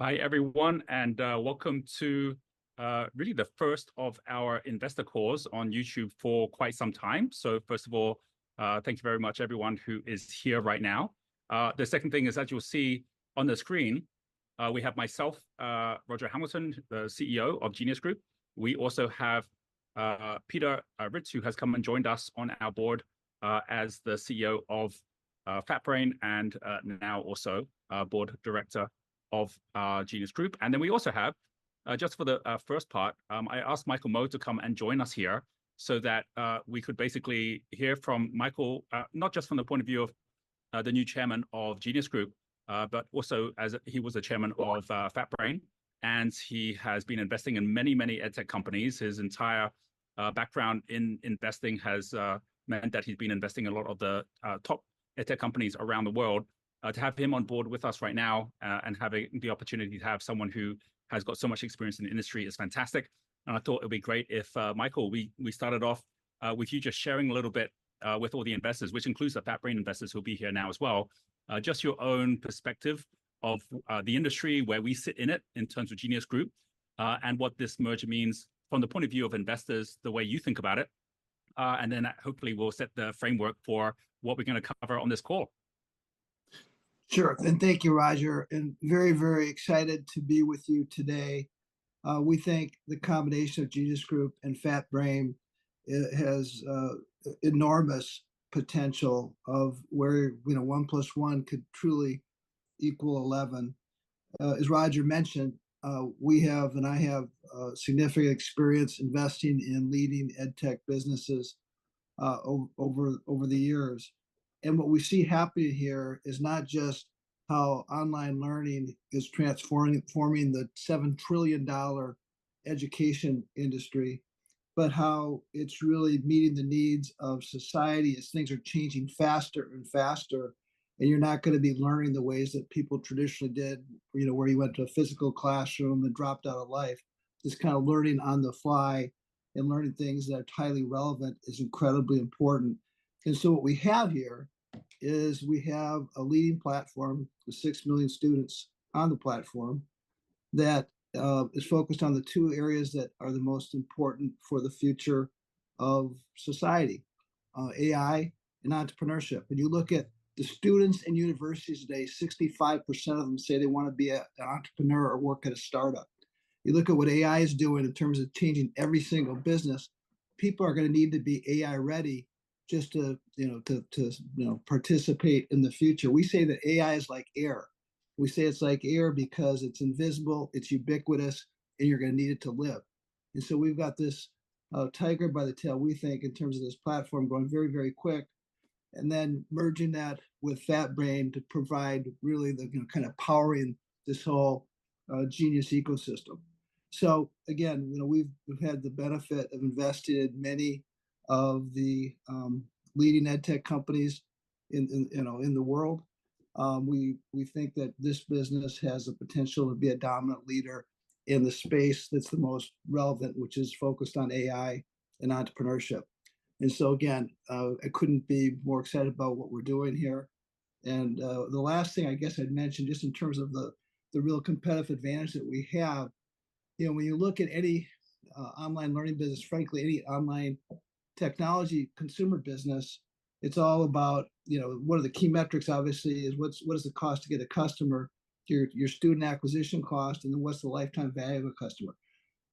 Hi everyone, and welcome to really the first of our investor calls on YouTube for quite some time. First of all, thank you very much everyone who is here right now. The second thing is, as you'll see on the screen, we have myself, Roger Hamilton, the CEO of Genius Group. We also have Peter Ritz, who has come and joined us on our board as the CEO of FatBrain and now also Board Director of Genius Group. Then we also have, just for the first part, I asked Michael Moe to come and join us here so that we could basically hear from Michael, not just from the point of view of the new Chairman of Genius Group, but also as he was the Chairman of FatBrain. And he has been investing in many, many EdTech companies. His entire background in investing has meant that he's been investing in a lot of the top EdTech companies around the world. To have him on board with us right now and having the opportunity to have someone who has got so much experience in the industry is fantastic. And I thought it would be great if, Michael, we started off with you just sharing a little bit with all the investors, which includes the FatBrain investors who will be here now as well, just your own perspective of the industry, where we sit in it in terms of Genius Group, and what this merger means from the point of view of investors, the way you think about it. And then hopefully we'll set the framework for what we're going to cover on this call. Sure. And thank you, Roger. And very, very excited to be with you today. We think the combination of Genius Group and FatBrain has enormous potential of where 1 + 1 could truly equal 11. As Roger mentioned, we have and I have significant experience investing in leading EdTech businesses over the years. And what we see happening here is not just how online learning is transforming the $7 trillion education industry, but how it's really meeting the needs of society as things are changing faster and faster. And you're not going to be learning the ways that people traditionally did, where you went to a physical classroom and dropped out of life. This kind of learning on the fly and learning things that are highly relevant is incredibly important. What we have here is we have a leading platform with 6 million students on the platform that is focused on the two areas that are the most important for the future of society: AI and entrepreneurship. When you look at the students and universities today, 65% of them say they want to be an entrepreneur or work at a startup. You look at what AI is doing in terms of changing every single business, people are going to need to be AI ready just to participate in the future. We say that AI is like air. We say it's like air because it's invisible, it's ubiquitous, and you're going to need it to live. We've got this tiger by the tail, we think, in terms of this platform going very, very quick and then merging that with FatBrain to provide really the kind of powering this whole genius ecosystem. Again, we've had the benefit of investing in many of the leading EdTech companies in the world. We think that this business has the potential to be a dominant leader in the space that's the most relevant, which is focused on AI and entrepreneurship. Again, I couldn't be more excited about what we're doing here. The last thing I guess I'd mention just in terms of the real competitive advantage that we have, when you look at any online learning business, frankly, any online technology consumer business, it's all about one of the key metrics, obviously, is what is the cost to get a customer, your student acquisition cost, and then what's the lifetime value of a customer.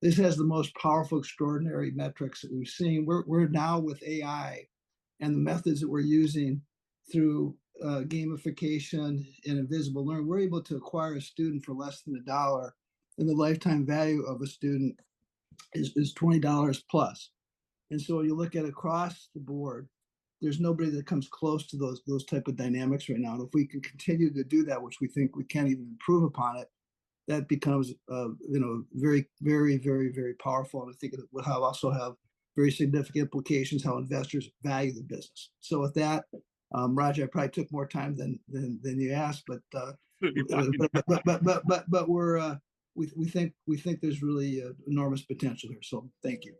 This has the most powerful, extraordinary metrics that we've seen. We're now with AI and the methods that we're using through gamification and invisible learning, we're able to acquire a student for less than $1, and the lifetime value of a student is $20+. And so when you look at it across the board, there's nobody that comes close to those types of dynamics right now. If we can continue to do that, which we think we can't even improve upon it, that becomes very, very, very, very powerful. I think it will also have very significant implications how investors value the business. With that, Roger, I probably took more time than you asked, but we think there's really enormous potential here. Thank you.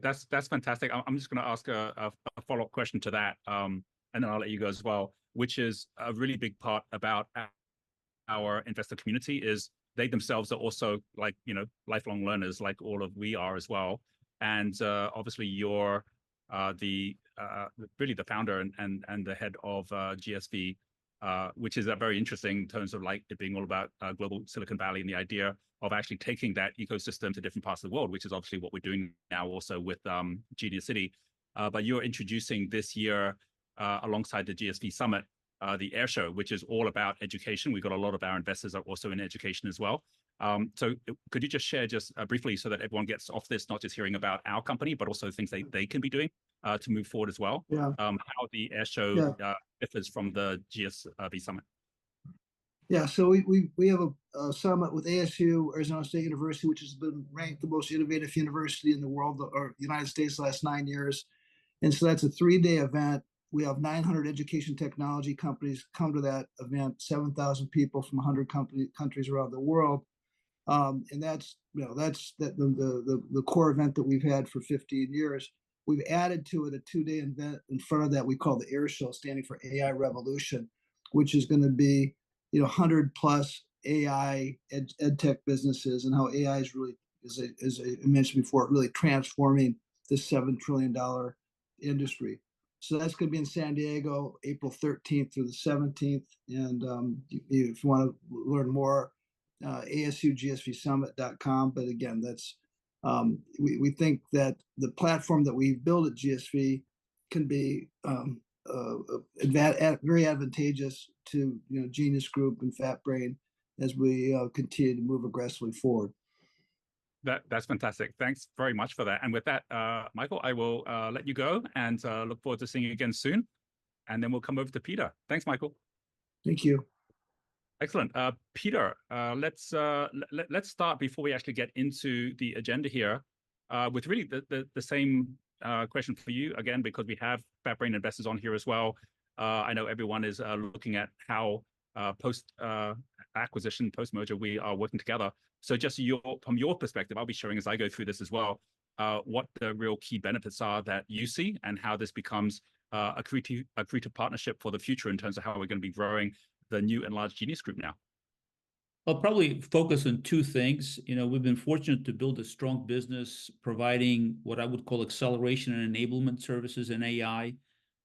That's fantastic. I'm just going to ask a follow-up question to that, and then I'll let you go as well, which is a really big part about our investor community is they themselves are also lifelong learners, like all of we are as well. Obviously you're really the founder and the head of GSV, which is very interesting in terms of it being all about Global Silicon Valley and the idea of actually taking that ecosystem to different parts of the world, which is obviously what we're doing now also with Genius City. But you're introducing this year alongside the GSV Summit, the AIR Show, which is all about education. We've got a lot of our investors are also in education as well. Could you just share just briefly so that everyone gets off this, not just hearing about our company, but also things they can be doing to move forward as well, how the AIR Show differs from the GSV Summit? Yeah. So we have a summit with ASU, Arizona State University, which has been ranked the most innovative university in the world or United States last nine years. And so that's a three day event. We have 900 education technology companies come to that event, 7,000 people from 100 countries around the world. And that's the core event that we've had for 15 years. We've added to it a two day event in front of that we call the AIR Show, standing for AI Revolution, which is going to be 100+ AI EdTech businesses and how AI is really, as I mentioned before, really transforming this $7 trillion industry. So that's going to be in San Diego, April 13th through the 17th. And if you want to learn more, asugsvsummit.com. But again, we think that the platform that we've built at GSV can be very advantageous to Genius Group and FatBrain as we continue to move aggressively forward. That's fantastic. Thanks very much for that. With that, Michael, I will let you go and look forward to seeing you again soon. Then we'll come over to Peter. Thanks, Michael. Thank you. Excellent. Peter, let's start before we actually get into the agenda here with really the same question for you again, because we have FatBrain investors on here as well. I know everyone is looking at how post-acquisition, post-merger, we are working together. Just from your perspective, I'll be showing as I go through this as well what the real key benefits are that you see and how this becomes a creative partnership for the future in terms of how we're going to be growing the new and large Genius Group now. I'll probably focus on two things. We've been fortunate to build a strong business providing what I would call acceleration and enablement services in AI.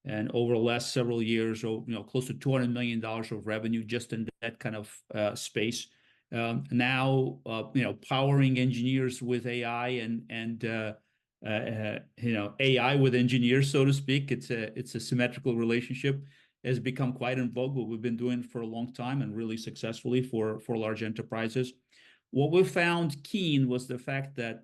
Over the last several years, close to $200 million of revenue just in that kind of space. Now, powering engineers with AI and AI with engineers, so to speak, it's a symmetrical relationship. It has become quite in vogue, what we've been doing for a long time and really successfully for large enterprises. What we found key was the fact that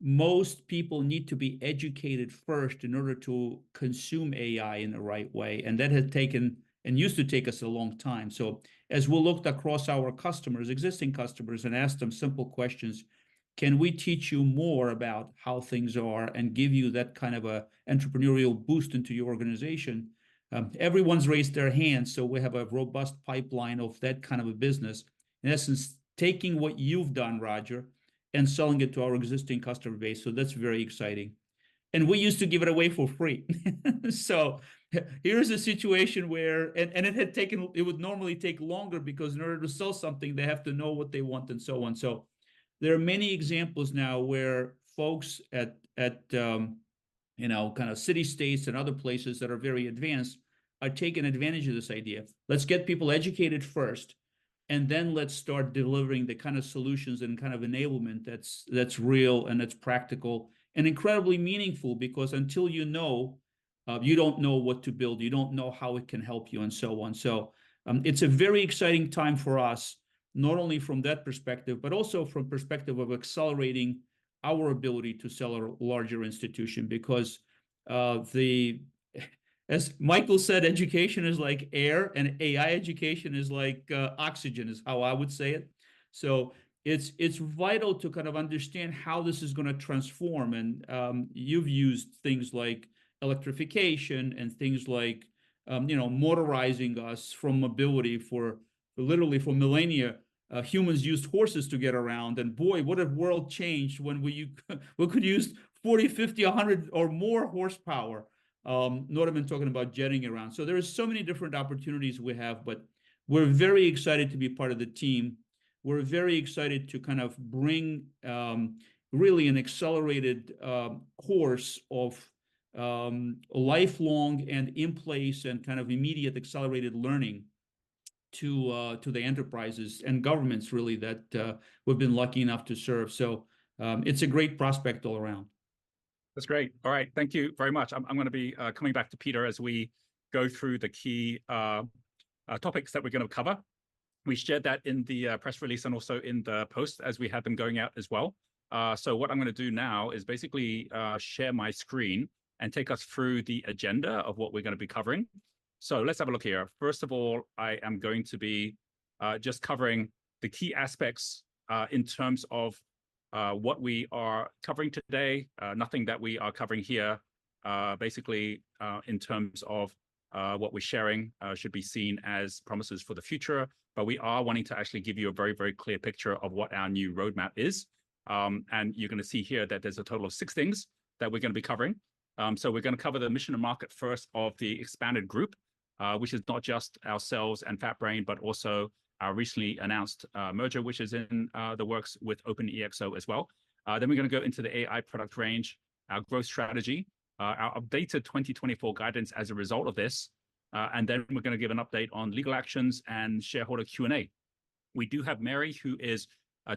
most people need to be educated first in order to consume AI in the right way. That has taken and used to take us a long time. As we looked across our customers, existing customers, and asked them simple questions: Can we teach you more about how things are and give you that kind of an entrepreneurial boost into your organization? Everyone's raised their hands. So we have a robust pipeline of that kind of a business, in essence, taking what you've done, Roger, and selling it to our existing customer base. So that's very exciting. And we used to give it away for free. So here's a situation where and it had taken it would normally take longer because in order to sell something, they have to know what they want and so on. So there are many examples now where folks at kind of city-states and other places that are very advanced are taking advantage of this idea. Let's get people educated first. And then let's start delivering the kind of solutions and kind of enablement that's real and that's practical and incredibly meaningful because until you know, you don't know what to build. You don't know how it can help you and so on. So it's a very exciting time for us, not only from that perspective, but also from the perspective of accelerating our ability to sell our larger institution because, as Michael said, education is like air and AI education is like oxygen, is how I would say it. So it's vital to kind of understand how this is going to transform. And you've used things like electrification and things like motorizing us from mobility for literally millennia. Humans used horses to get around. And boy, what if the world changed when we could use 40, 50, 100 or more horsepower? Not even talking about jetting around. So there are so many different opportunities we have, but we're very excited to be part of the team. We're very excited to kind of bring really an accelerated course of lifelong and in-place and kind of immediate accelerated learning to the enterprises and governments really that we've been lucky enough to serve. So it's a great prospect all around. That's great. All right. Thank you very much. I'm going to be coming back to Peter as we go through the key topics that we're going to cover. We shared that in the press release and also in the post as we had them going out as well. So what I'm going to do now is basically share my screen and take us through the agenda of what we're going to be covering. So let's have a look here. First of all, I am going to be just covering the key aspects in terms of what we are covering today, nothing that we are covering here. Basically, in terms of what we're sharing should be seen as promises for the future. But we are wanting to actually give you a very, very clear picture of what our new roadmap is. You're going to see here that there's a total of six things that we're going to be covering. We're going to cover the mission and market first of the expanded group, which is not just ourselves and FatBrain, but also our recently announced merger, which is in the works with OpenExO as well. We're going to go into the AI product range, our growth strategy, our updated 2024 guidance as a result of this. We're going to give an update on legal actions and shareholder Q&A. We do have Mary, who is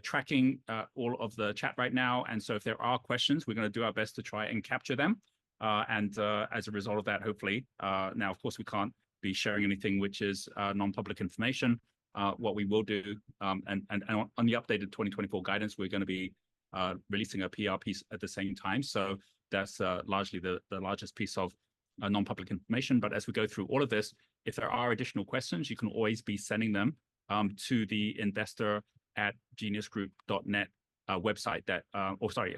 tracking all of the chat right now. If there are questions, we're going to do our best to try and capture them. As a result of that, hopefully now, of course, we can't be sharing anything which is nonpublic information. What we will do on the updated 2024 guidance, we're going to be releasing a PR piece at the same time. So that's largely the largest piece of nonpublic information. But as we go through all of this, if there are additional questions, you can always be sending them to the investor@geniusgroup.net website that or sorry,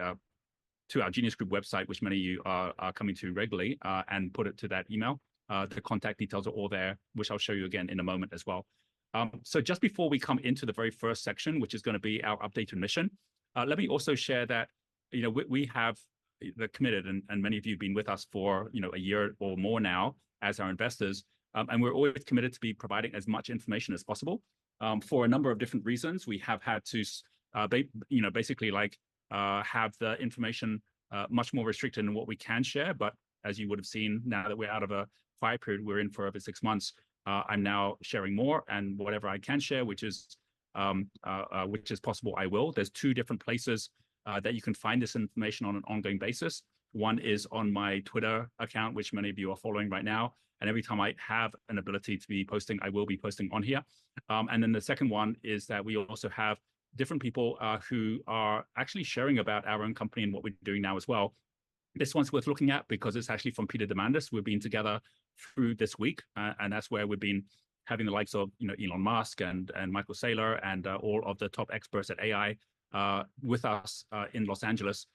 to our Genius Group website, which many of you are coming to regularly, and put it to that email. The contact details are all there, which I'll show you again in a moment as well. So just before we come into the very first section, which is going to be our updated mission, let me also share that we have committed and many of you have been with us for a year or more now as our investors. And we're always committed to be providing as much information as possible. For a number of different reasons, we have had to basically have the information much more restricted than what we can share. But as you would have seen, now that we're out of a quiet period, we're in for over six months, I'm now sharing more and whatever I can share, which is possible, I will. There's two different places that you can find this information on an ongoing basis. One is on my Twitter account, which many of you are following right now. And every time I have an ability to be posting, I will be posting on here. And then the second one is that we also have different people who are actually sharing about our own company and what we're doing now as well. This one's worth looking at because it's actually from Peter Diamandis. We've been together through this week. That's where we've been having the likes of Elon Musk and Michael Saylor and all of the top experts at AI with us in Los Angeles.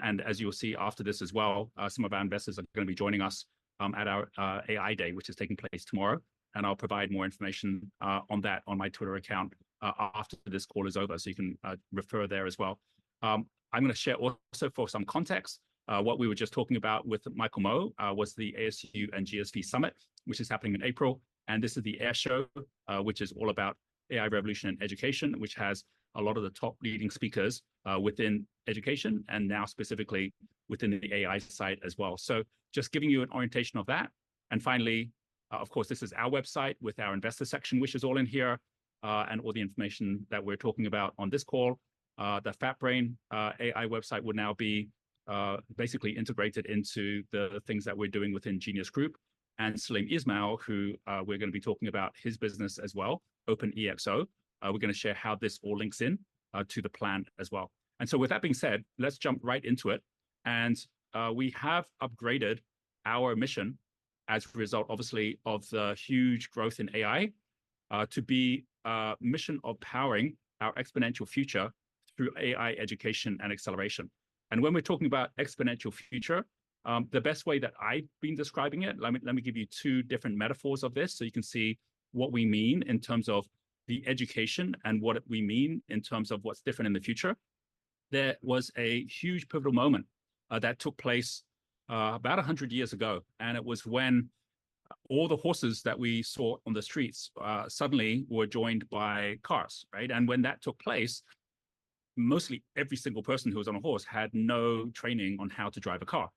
As you'll see after this as well, some of our investors are going to be joining us at our AI Day, which is taking place tomorrow. I'll provide more information on that on my Twitter account after this call is over. So you can refer there as well. I'm going to share also for some context, what we were just talking about with Michael Moe was the ASU and GSV Summit, which is happening in April. This is the AIR Show, which is all about AI Revolution and education, which has a lot of the top leading speakers within education and now specifically within the AI side as well. So just giving you an orientation of that. Finally, of course, this is our website with our investor section, which is all in here and all the information that we're talking about on this call. The FatBrain AI website would now be basically integrated into the things that we're doing within Genius Group. Salim Ismail, who we're going to be talking about his business as well, OpenExO, we're going to share how this all links in to the plan as well. So with that being said, let's jump right into it. We have upgraded our mission as a result, obviously, of the huge growth in AI to be a mission of powering our exponential future through AI education and acceleration. When we're talking about exponential future, the best way that I've been describing it, let me give you two different metaphors of this so you can see what we mean in terms of the education and what we mean in terms of what's different in the future. There was a huge pivotal moment that took place about 100 years ago. It was when all the horses that we saw on the streets suddenly were joined by cars, right? When that took place, mostly every single person who was on a horse had no training on how to drive a car.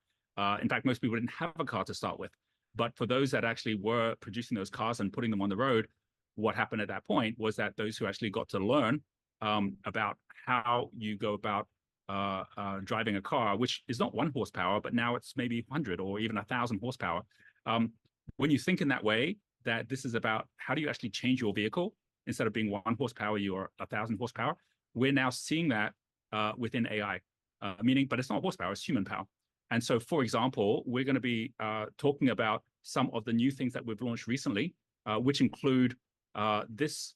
In fact, most people didn't have a car to start with. But for those that actually were producing those cars and putting them on the road, what happened at that point was that those who actually got to learn about how you go about driving a car, which is not one horsepower, but now it's maybe 100 or even 1,000 horsepower. When you think in that way that this is about how do you actually change your vehicle instead of being one horsepower, you are 1,000 horsepower. We're now seeing that within AI, meaning but it's not horsepower, it's human power. And so, for example, we're going to be talking about some of the new things that we've launched recently, which include this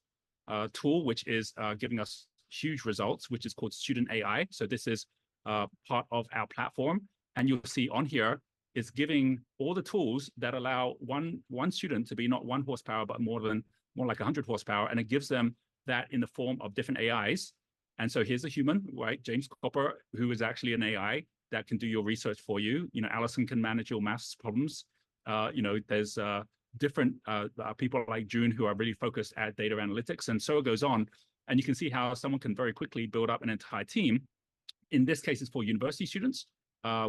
tool, which is giving us huge results, which is called StudentAI. So this is part of our platform. You'll see on here, it's giving all the tools that allow one student to be not one horsepower, but more than more like 100 horsepower. It gives them that in the form of different AIs. So here's a human, right? James Copper, who is actually an AI that can do your research for you. Allison can manage your maths problems. There's different people like June, who are really focused at data analytics. So it goes on. You can see how someone can very quickly build up an entire team. In this case, it's for university students.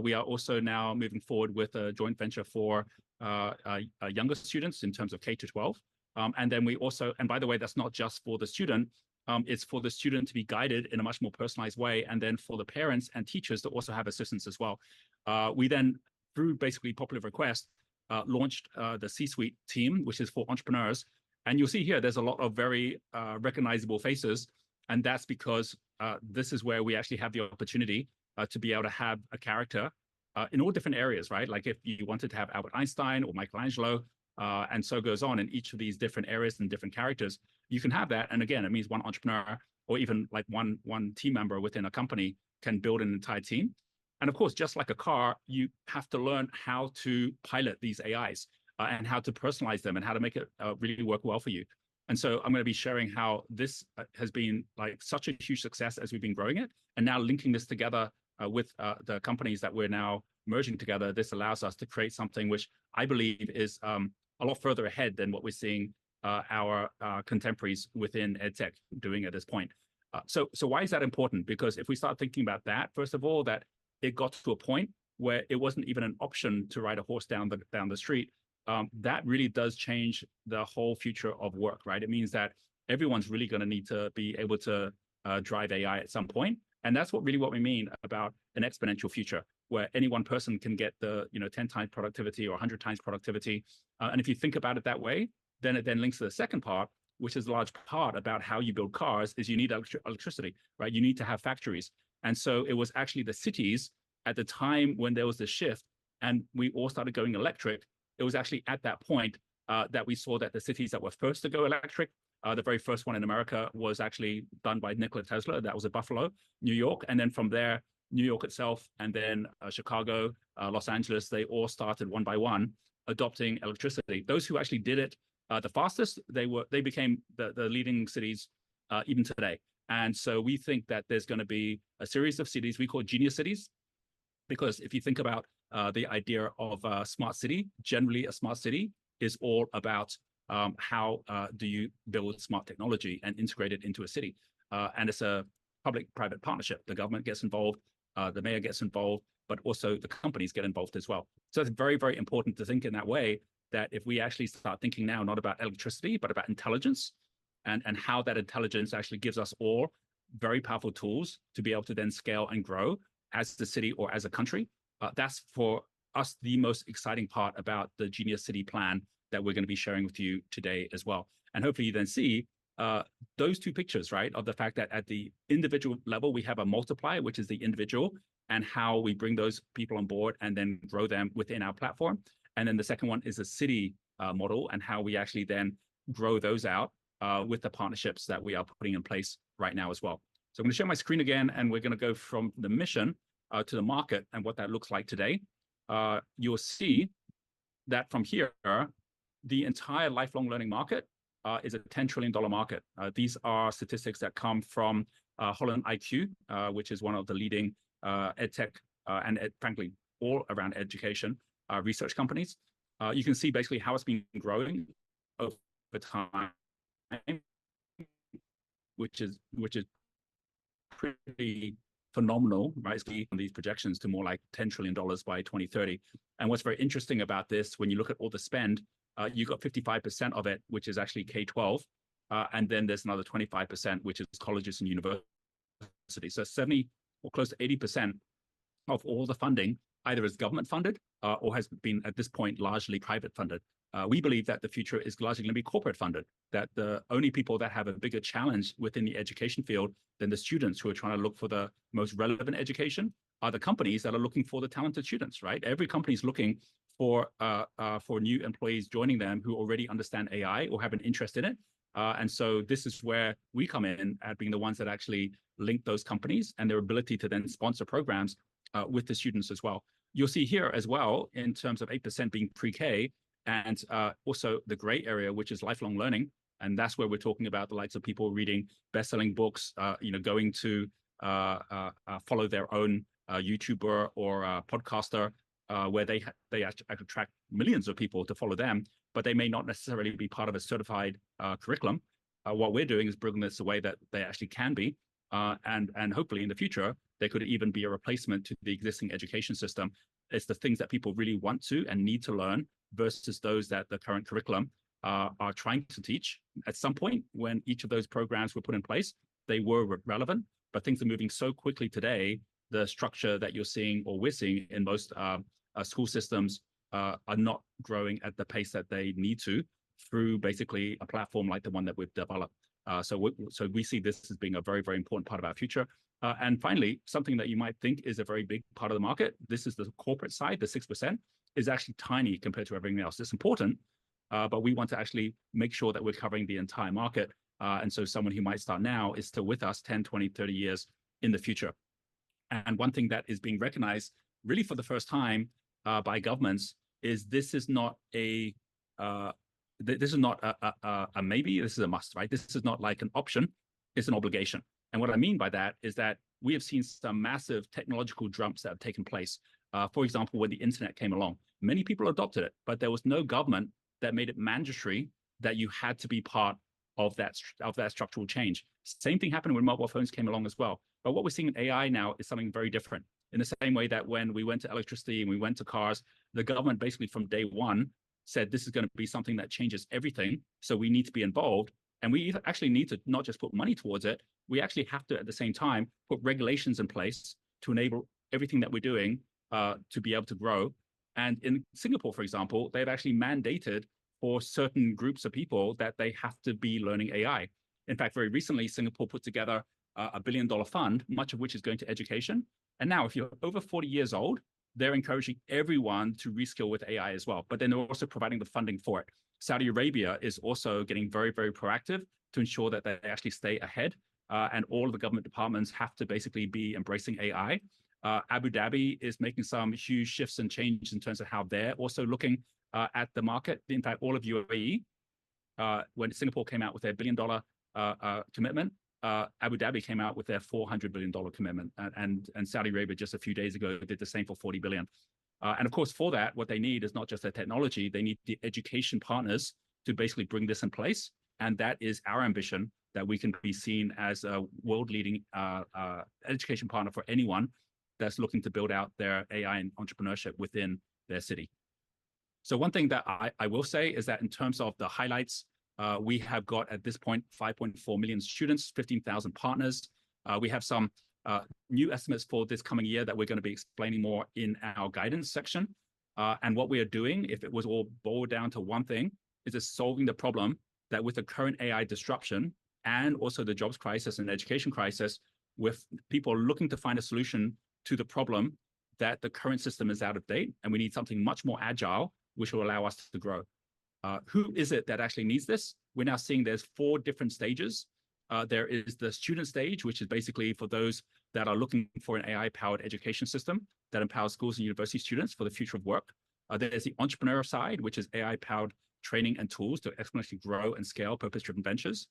We are also now moving forward with a joint venture for younger students in terms of K-12. Then we also and by the way, that's not just for the student. It's for the student to be guided in a much more personalized way. And then for the parents and teachers that also have assistance as well. We then, through basically popular request, launched the C-Suite team, which is for entrepreneurs. And you'll see here, there's a lot of very recognizable faces. And that's because this is where we actually have the opportunity to be able to have a character in all different areas, right? Like if you wanted to have Albert Einstein or Michelangelo, and so goes on in each of these different areas and different characters, you can have that. And again, it means one entrepreneur or even like one team member within a company can build an entire team. And of course, just like a car, you have to learn how to pilot these AIs and how to personalize them and how to make it really work well for you. I'm going to be sharing how this has been such a huge success as we've been growing it and now linking this together with the companies that we're now merging together. This allows us to create something which I believe is a lot further ahead than what we're seeing our contemporaries within EdTech doing at this point. Why is that important? Because if we start thinking about that, first of all, that it got to a point where it wasn't even an option to ride a horse down the street, that really does change the whole future of work, right? It means that everyone's really going to need to be able to drive AI at some point. That's really what we mean about an exponential future where any one person can get the 10x productivity or 100x productivity. If you think about it that way, then it links to the second part, which is a large part about how you build cars is you need electricity, right? You need to have factories. So it was actually the cities at the time when there was the shift and we all started going electric. It was actually at that point that we saw that the cities that were first to go electric, the very first one in America was actually done by Nikola Tesla. That was in Buffalo, New York. Then from there, New York itself, then Chicago, Los Angeles. They all started one by one adopting electricity. Those who actually did it the fastest, they became the leading cities even today. So we think that there's going to be a series of cities we call Genius Cities. Because if you think about the idea of a smart city, generally a smart city is all about how do you build smart technology and integrate it into a city. And it's a public-private partnership. The government gets involved. The mayor gets involved. But also the companies get involved as well. So it's very, very important to think in that way that if we actually start thinking now not about electricity, but about intelligence and how that intelligence actually gives us all very powerful tools to be able to then scale and grow as the city or as a country, that's for us the most exciting part about the Genius City plan that we're going to be sharing with you today as well. And hopefully you then see those two pictures, right, of the fact that at the individual level, we have a multiplier, which is the individual, and how we bring those people on board and then grow them within our platform. And then the second one is a city model and how we actually then grow those out with the partnerships that we are putting in place right now as well. So I'm going to share my screen again, and we're going to go from the mission to the market and what that looks like today. You'll see that from here, the entire lifelong learning market is a $10 trillion market. These are statistics that come from HolonIQ, which is one of the leading EdTech and ed, frankly, all around education research companies. You can see basically how it's been growing over time, which is pretty phenomenal, right? These projections to more like $10 trillion by 2030. And what's very interesting about this, when you look at all the spend, you've got 55% of it, which is actually K-12. And then there's another 25%, which is colleges and universities. So 70% or close to 80% of all the funding either is government funded or has been at this point largely private funded. We believe that the future is largely going to be corporate funded, that the only people that have a bigger challenge within the education field than the students who are trying to look for the most relevant education are the companies that are looking for the talented students, right? Every company is looking for new employees joining them who already understand AI or have an interest in it. This is where we come in at being the ones that actually link those companies and their ability to then sponsor programs with the students as well. You'll see here as well in terms of 8% being pre-K and also the gray area, which is lifelong learning. That's where we're talking about the likes of people reading bestselling books, going to follow their own YouTuber or podcaster, where they attract millions of people to follow them, but they may not necessarily be part of a certified curriculum. What we're doing is bringing this away that they actually can be. Hopefully in the future, they could even be a replacement to the existing education system. It's the things that people really want to and need to learn versus those that the current curriculum are trying to teach. At some point when each of those programs were put in place, they were relevant. But things are moving so quickly today, the structure that you're seeing or we're seeing in most school systems are not growing at the pace that they need to through basically a platform like the one that we've developed. So we see this as being a very, very important part of our future. And finally, something that you might think is a very big part of the market, this is the corporate side, the 6%, is actually tiny compared to everything else. It's important. But we want to actually make sure that we're covering the entire market. And so someone who might start now is still with us 10, 20, 30 years in the future. One thing that is being recognized really for the first time by governments is this is not a maybe, this is a must, right? This is not like an option. It's an obligation. And what I mean by that is that we have seen some massive technological jumps that have taken place. For example, when the internet came along, many people adopted it, but there was no government that made it mandatory that you had to be part of that structural change. Same thing happened when mobile phones came along as well. But what we're seeing in AI now is something very different. In the same way that when we went to electricity and we went to cars, the government basically from day one said, this is going to be something that changes everything. So we need to be involved. We actually need to not just put money towards it. We actually have to at the same time put regulations in place to enable everything that we're doing to be able to grow. In Singapore, for example, they've actually mandated for certain groups of people that they have to be learning AI. In fact, very recently, Singapore put together a $1 billion fund, much of which is going to education. Now if you're over 40 years old, they're encouraging everyone to reskill with AI as well. But then they're also providing the funding for it. Saudi Arabia is also getting very, very proactive to ensure that they actually stay ahead. All of the government departments have to basically be embracing AI. Abu Dhabi is making some huge shifts and changes in terms of how they're also looking at the market. In fact, all of UAE, when Singapore came out with their $1 billion commitment, Abu Dhabi came out with their $400 billion commitment. Saudi Arabia just a few days ago did the same for $40 billion. Of course, for that, what they need is not just their technology. They need the education partners to basically bring this in place. That is our ambition, that we can be seen as a world-leading education partner for anyone that's looking to build out their AI and entrepreneurship within their city. One thing that I will say is that in terms of the highlights, we have got at this point 5.4 million students, 15,000 partners. We have some new estimates for this coming year that we're going to be explaining more in our guidance section. What we are doing, if it was all boiled down to one thing, is solving the problem that with the current AI disruption and also the jobs crisis and education crisis, with people looking to find a solution to the problem that the current system is out of date, and we need something much more agile, which will allow us to grow. Who is it that actually needs this? We're now seeing there's four different stages. There is the student stage, which is basically for those that are looking for an AI-powered education system that empowers schools and university students for the future of work. There's the entrepreneur side, which is AI-powered training and tools to exponentially grow and scale purpose-driven ventures.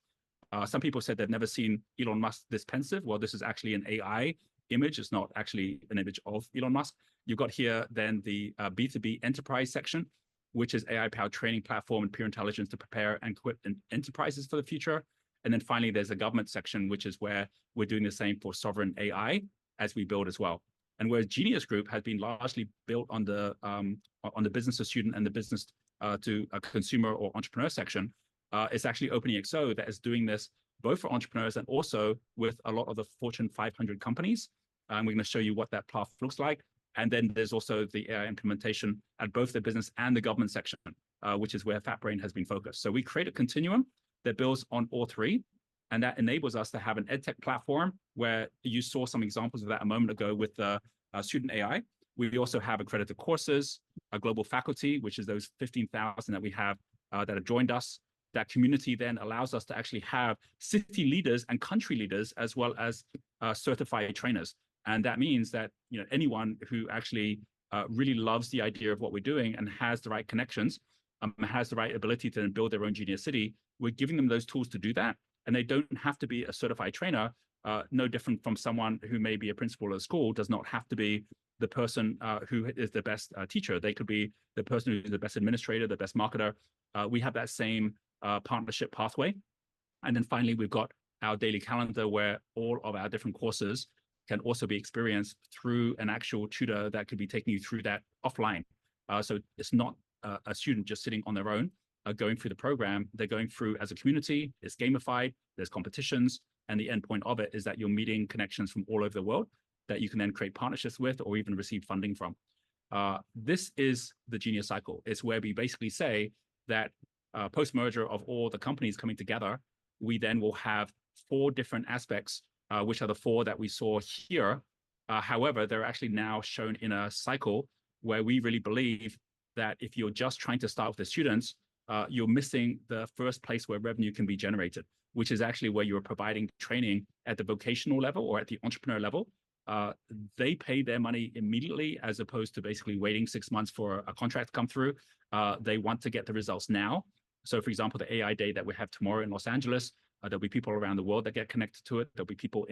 Some people said they've never seen Elon Musk this pensive. Well, this is actually an AI image. It's not actually an image of Elon Musk. You've got here then the B2B enterprise section, which is AI-powered training platform and pure intelligence to prepare and equip enterprises for the future. And then finally, there's a government section, which is where we're doing the same for Sovereign AI as we build as well. And whereas Genius Group has been largely built on the business of student and the business to consumer or entrepreneur section, it's actually OpenExO that is doing this both for entrepreneurs and also with a lot of the Fortune 500 companies. And we're going to show you what that path looks like. And then there's also the AI implementation at both the business and the government section, which is where FatBrain has been focused. So we create a continuum that builds on all three. That enables us to have an EdTech platform where you saw some examples of that a moment ago with the Student AI. We also have accredited courses, a global faculty, which is those 15,000 that we have that have joined us. That community then allows us to actually have city leaders and country leaders as well as certified trainers. And that means that anyone who actually really loves the idea of what we're doing and has the right connections and has the right ability to then build their own Genius City, we're giving them those tools to do that. And they don't have to be a certified trainer, no different from someone who may be a principal at a school, does not have to be the person who is the best teacher. They could be the person who's the best administrator, the best marketer. We have that same partnership pathway. Then finally, we've got our daily calendar where all of our different courses can also be experienced through an actual tutor that could be taking you through that offline. So it's not a student just sitting on their own, going through the program. They're going through as a community. It's gamified. There's competitions. And the endpoint of it is that you're meeting connections from all over the world that you can then create partnerships with or even receive funding from. This is the Genius Cycle. It's where we basically say that post-merger of all the companies coming together, we then will have four different aspects, which are the four that we saw here. However, they're actually now shown in a cycle where we really believe that if you're just trying to start with the students, you're missing the first place where revenue can be generated, which is actually where you're providing training at the vocational level or at the entrepreneur level. They pay their money immediately as opposed to basically waiting six months for a contract to come through. They want to get the results now. So for example, the AI Day that we have tomorrow in Los Angeles, there'll be people around the world that get connected to it. There'll be people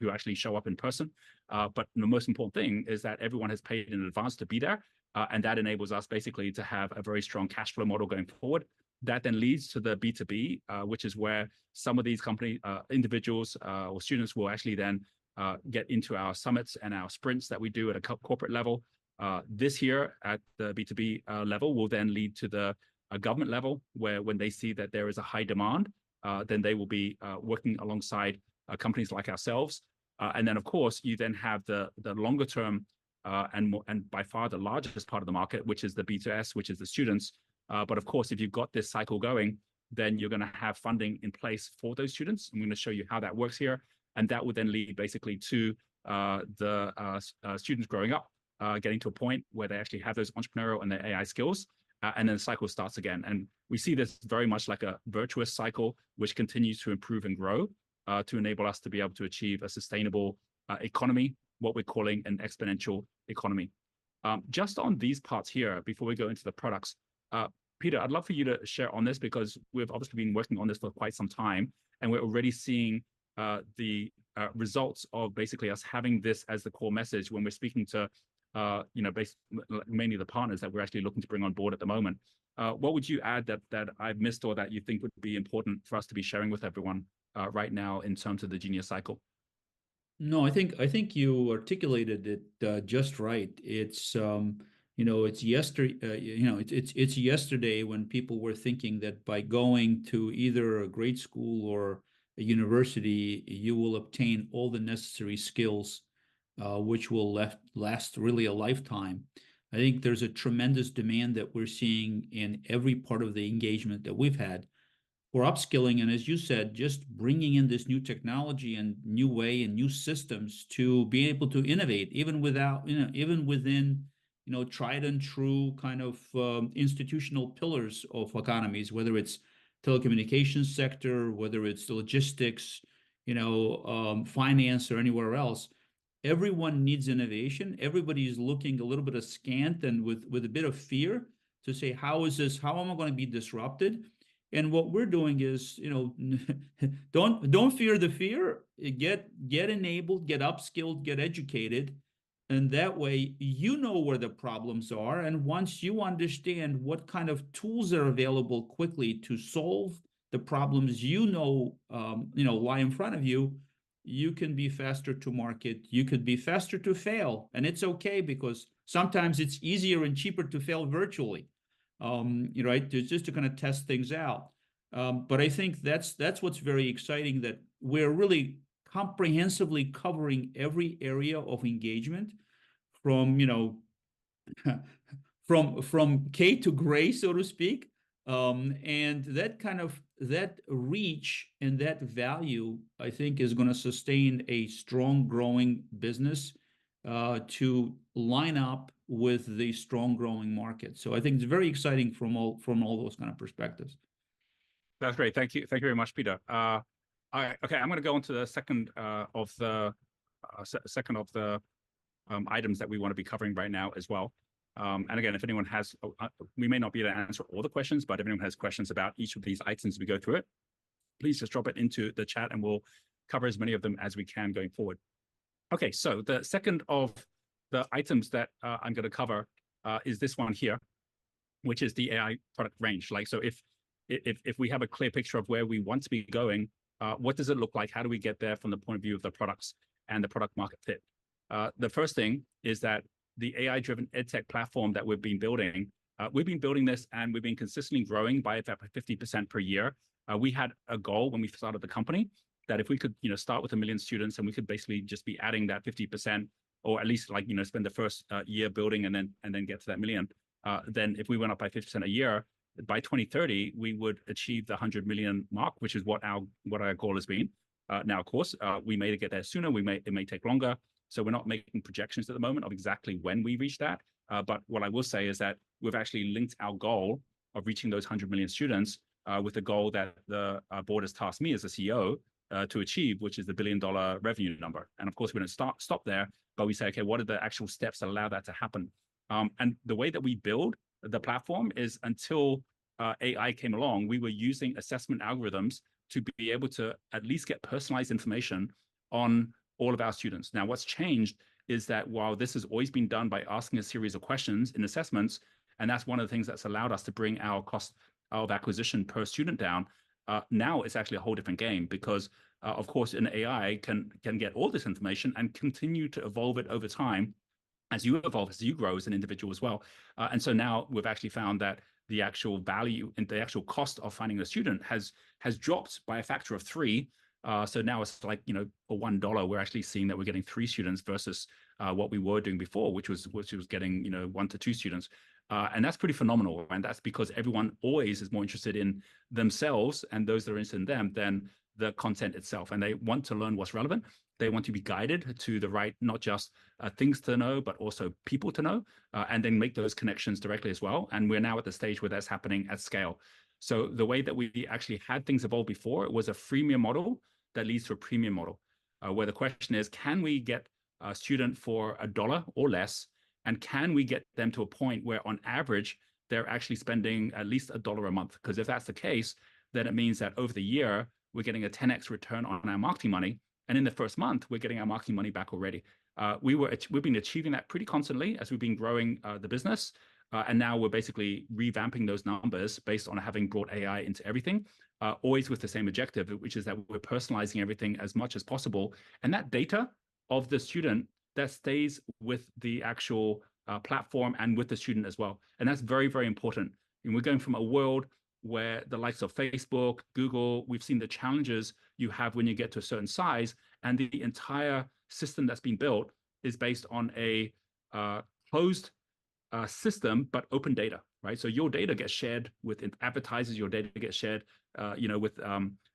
who actually show up in person. But the most important thing is that everyone has paid in advance to be there. That enables us basically to have a very strong cash flow model going forward. That then leads to the B2B, which is where some of these individuals, or students, will actually then get into our summits and our sprints that we do at a corporate level. This year at the B2B level will then lead to the government level where when they see that there is a high demand, then they will be working alongside companies like ourselves. And then of course, you then have the longer-term and by far the largest part of the market, which is the B2S, which is the students. But of course, if you've got this cycle going, then you're going to have funding in place for those students. I'm going to show you how that works here. And that would then lead basically to the students growing up, getting to a point where they actually have those entrepreneurial and their AI skills. And then the cycle starts again. And we see this very much like a virtuous cycle, which continues to improve and grow to enable us to be able to achieve a sustainable economy, what we're calling an exponential economy. Just on these parts here, before we go into the products, Peter, I'd love for you to share on this because we've obviously been working on this for quite some time. And we're already seeing the results of basically us having this as the core message when we're speaking to mainly the partners that we're actually looking to bring on board at the moment. What would you add that I've missed or that you think would be important for us to be sharing with everyone right now in terms of the Genius Cycle? No, I think you articulated it just right. was yesterday when people were thinking that by going to either a grade school or a university, you will obtain all the necessary skills, which will last really a lifetime. I think there's a tremendous demand that we're seeing in every part of the engagement that we've had for upskilling. As you said, just bringing in this new technology and new way and new systems to be able to innovate, even within tried-and-true kind of institutional pillars of economies, whether it's telecommunications sector, whether it's logistics, finance, or anywhere else. Everyone needs innovation. Everybody is looking a little bit scared and with a bit of fear to say, how is this? How am I going to be disrupted? And what we're doing is, don't fear the fear. Get enabled, get upskilled, get educated. That way, you know where the problems are. Once you understand what kind of tools are available quickly to solve the problems, you know, lie in front of you. You can be faster to market. You could be faster to fail. And it's okay because sometimes it's easier and cheaper to fail virtually, right? It's just to kind of test things out. But I think that's what's very exciting, that we're really comprehensively covering every area of engagement from K to gray, so to speak. And that kind of reach and that value, I think, is going to sustain a strong growing business to line up with the strong growing market. So I think it's very exciting from all those kind of perspectives. That's great. Thank you. Thank you very much, Peter. Okay, I'm going to go into the second of the items that we want to be covering right now as well. Again, if anyone has, we may not be able to answer all the questions, but if anyone has questions about each of these items as we go through it, please just drop it into the chat and we'll cover as many of them as we can going forward. Okay, so the second of the items that I'm going to cover is this one here, which is the AI product range. So if we have a clear picture of where we want to be going, what does it look like? How do we get there from the point of view of the products and the product market fit? The first thing is that the AI-driven EdTech platform that we've been building, we've been building this and we've been consistently growing by about 50% per year, we had a goal when we started the company that if we could start with 1 million students and we could basically just be adding that 50% or at least spend the first year building and then get to that million, then if we went up by 50% a year, by 2030, we would achieve the 100 million mark, which is what our goal has been. Now, of course, we may get there sooner. It may take longer. So we're not making projections at the moment of exactly when we reach that. But what I will say is that we've actually linked our goal of reaching those 100 million students with the goal that the board has tasked me as a CEO to achieve, which is the billion-dollar revenue number. And of course, we don't stop there, but we say, okay, what are the actual steps that allow that to happen? And the way that we build the platform is until AI came along, we were using assessment algorithms to be able to at least get personalized information on all of our students. Now, what's changed is that while this has always been done by asking a series of questions in assessments, and that's one of the things that's allowed us to bring our cost of acquisition per student down, now it's actually a whole different game because, of course, an AI can get all this information and continue to evolve it over time as you evolve, as you grow as an individual as well. And so now we've actually found that the actual value and the actual cost of finding a student has dropped by a factor of three. So now it's like for $1, we're actually seeing that we're getting 3 students versus what we were doing before, which was getting one to two students. And that's pretty phenomenal. And that's because everyone always is more interested in themselves and those that are interested in them than the content itself. They want to learn what's relevant. They want to be guided to the right, not just things to know, but also people to know, and then make those connections directly as well. We're now at the stage where that's happening at scale. The way that we actually had things evolve before, it was a freemium model that leads to a premium model, where the question is, can we get a student for $1 or less? Can we get them to a point where, on average, they're actually spending at least $1 a month? Because if that's the case, then it means that over the year, we're getting a 10x return on our marketing money. In the first month, we're getting our marketing money back already. We've been achieving that pretty constantly as we've been growing the business. Now we're basically revamping those numbers based on having brought AI into everything, always with the same objective, which is that we're personalizing everything as much as possible. That data of the student stays with the actual platform and with the student as well. That's very, very important. We're going from a world where the likes of Facebook, Google. We've seen the challenges you have when you get to a certain size. The entire system that's been built is based on a closed system, but open data, right? So your data gets shared with advertisers. Your data gets shared with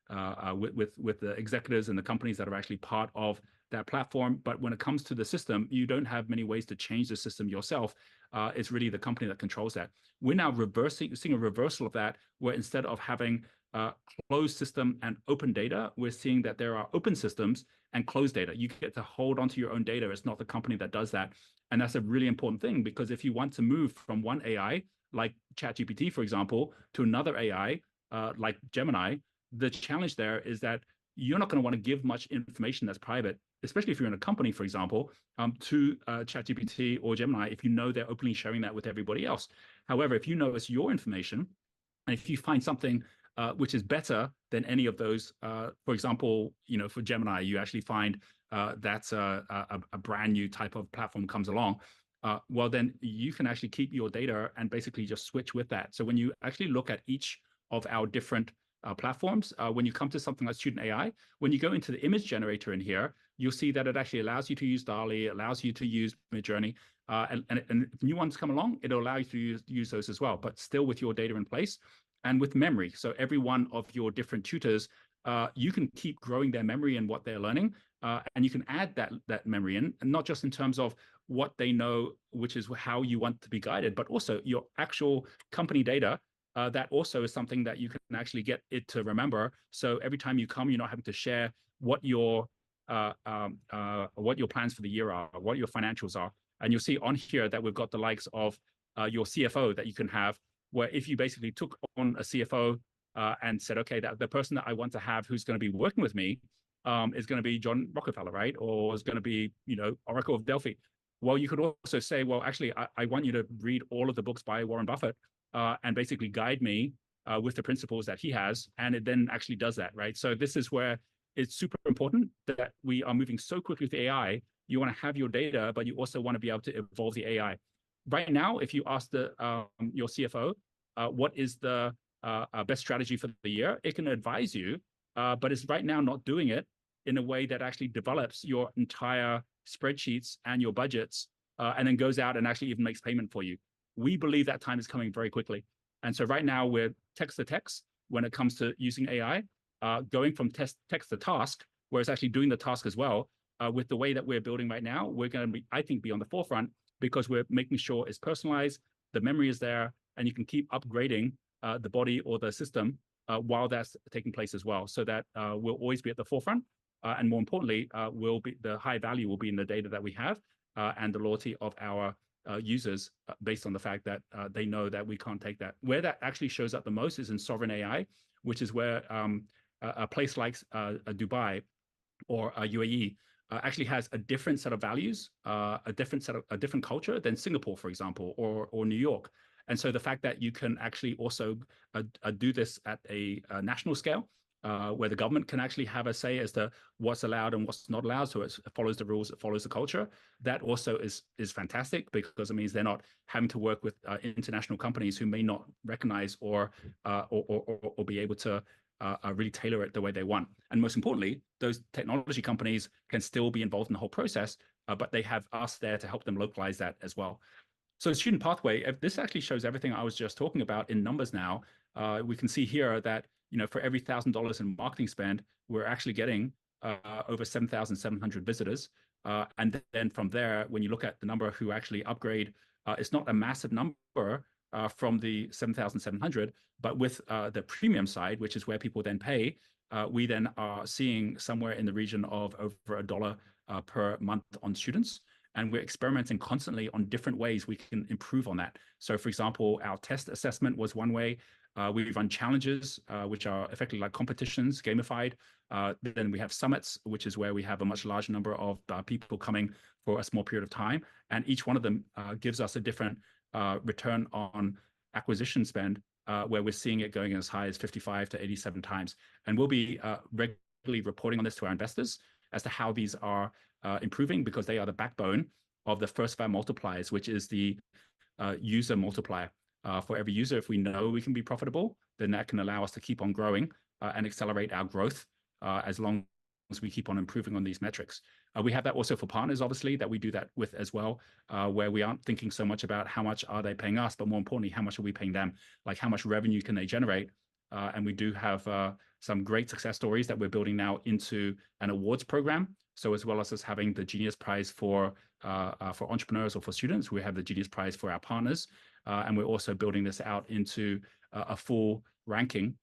the executives and the companies that are actually part of that platform. But when it comes to the system, you don't have many ways to change the system yourself. It's really the company that controls that. We're now seeing a reversal of that, where instead of having a closed system and open data, we're seeing that there are open systems and closed data. You get to hold onto your own data. It's not the company that does that. That's a really important thing because if you want to move from one AI, like ChatGPT, for example, to another AI, like Gemini, the challenge there is that you're not going to want to give much information that's private, especially if you're in a company, for example, to ChatGPT or Gemini, if you know they're openly sharing that with everybody else. However, if you know it's your information, and if you find something which is better than any of those, for example, for Gemini, you actually find that a brand new type of platform comes along, well, then you can actually keep your data and basically just switch with that. So when you actually look at each of our different platforms, when you come to something like Student AI, when you go into the image generator in here, you'll see that it actually allows you to use DALL-E, allows you to use Midjourney. And if new ones come along, it'll allow you to use those as well, but still with your data in place and with memory. So every one of your different tutors, you can keep growing their memory and what they're learning. And you can add that memory in, not just in terms of what they know, which is how you want to be guided, but also your actual company data. That also is something that you can actually get it to remember. So every time you come, you're not having to share what your plans for the year are, what your financials are. And you'll see on here that we've got the likes of your CFO that you can have, where if you basically took on a CFO and said, okay, the person that I want to have who's going to be working with me is going to be John Rockefeller, right? Or it's going to be Oracle of Delphi. Well, you could also say, well, actually, I want you to read all of the books by Warren Buffett and basically guide me with the principles that he has. It then actually does that, right? This is where it's super important that we are moving so quickly with AI. You want to have your data, but you also want to be able to evolve the AI. Right now, if you ask your CFO, what is the best strategy for the year, it can advise you, but it's right now not doing it in a way that actually develops your entire spreadsheets and your budgets and then goes out and actually even makes payment for you. We believe that time is coming very quickly. Right now, we're text to text when it comes to using AI, going from text to task, where it's actually doing the task as well. With the way that we're building right now, we're going to be, I think, be on the forefront because we're making sure it's personalized, the memory is there, and you can keep upgrading the body or the system while that's taking place as well so that we'll always be at the forefront. And more importantly, the high value will be in the data that we have and the loyalty of our users based on the fact that they know that we can't take that. Where that actually shows up the most is in Sovereign AI, which is where a place like Dubai or UAE actually has a different set of values, a different set of a different culture than Singapore, for example, or New York. And so the fact that you can actually also do this at a national scale, where the government can actually have a say as to what's allowed and what's not allowed, so it follows the rules, it follows the culture, that also is fantastic because it means they're not having to work with international companies who may not recognize or be able to really tailor it the way they want. And most importantly, those technology companies can still be involved in the whole process, but they have us there to help them localize that as well. So Student Pathway, this actually shows everything I was just talking about in numbers now. We can see here that for every $1,000 in marketing spend, we're actually getting over 7,700 visitors. And then from there, when you look at the number of who actually upgrade, it's not a massive number from the 7,700, but with the premium side, which is where people then pay, we then are seeing somewhere in the region of over $1 per month on students. We're experimenting constantly on different ways we can improve on that. For example, our test assessment was one way. We run challenges, which are effectively like competitions, gamified. We have summits, which is where we have a much larger number of people coming for a small period of time. Each one of them gives us a different return on acquisition spend, where we're seeing it going as high as 55-87x. We'll be regularly reporting on this to our investors as to how these are improving because they are the backbone of the first five multipliers, which is the user multiplier. For every user, if we know we can be profitable, then that can allow us to keep on growing and accelerate our growth as long as we keep on improving on these metrics. We have that also for partners, obviously, that we do that with as well, where we aren't thinking so much about how much are they paying us, but more importantly, how much are we paying them? Like how much revenue can they generate? We do have some great success stories that we're building now into an awards program. As well as us having the Genius Prize for entrepreneurs or for students, we have the Genius Prize for our partners. We're also building this out into a full ranking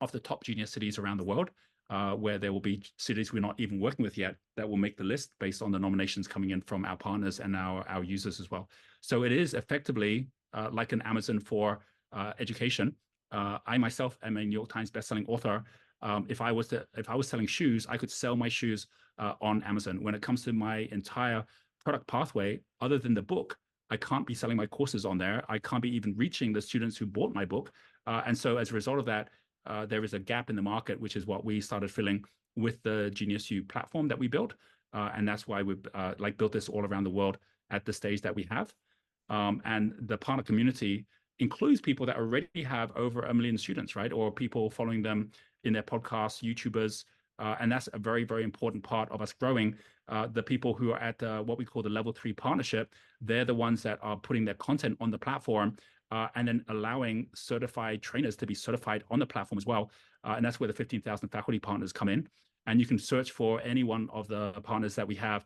of the top Genius Cities around the world, where there will be cities we're not even working with yet that will make the list based on the nominations coming in from our partners and our users as well. So it is effectively like an Amazon for education. I myself am a New York Times bestselling author. If I was selling shoes, I could sell my shoes on Amazon. When it comes to my entire product pathway, other than the book, I can't be selling my courses on there. I can't be even reaching the students who bought my book. So as a result of that, there is a gap in the market, which is what we started filling with the GeniusU platform that we built. That's why we built this all around the world at the stage that we have. The partner community includes people that already have over 1 million students, right? Or people following them in their podcasts, YouTubers. That's a very, very important part of us growing. The people who are at what we call the level three partnership, they're the ones that are putting their content on the platform and then allowing certified trainers to be certified on the platform as well. That's where the 15,000 faculty partners come in. You can search for any one of the partners that we have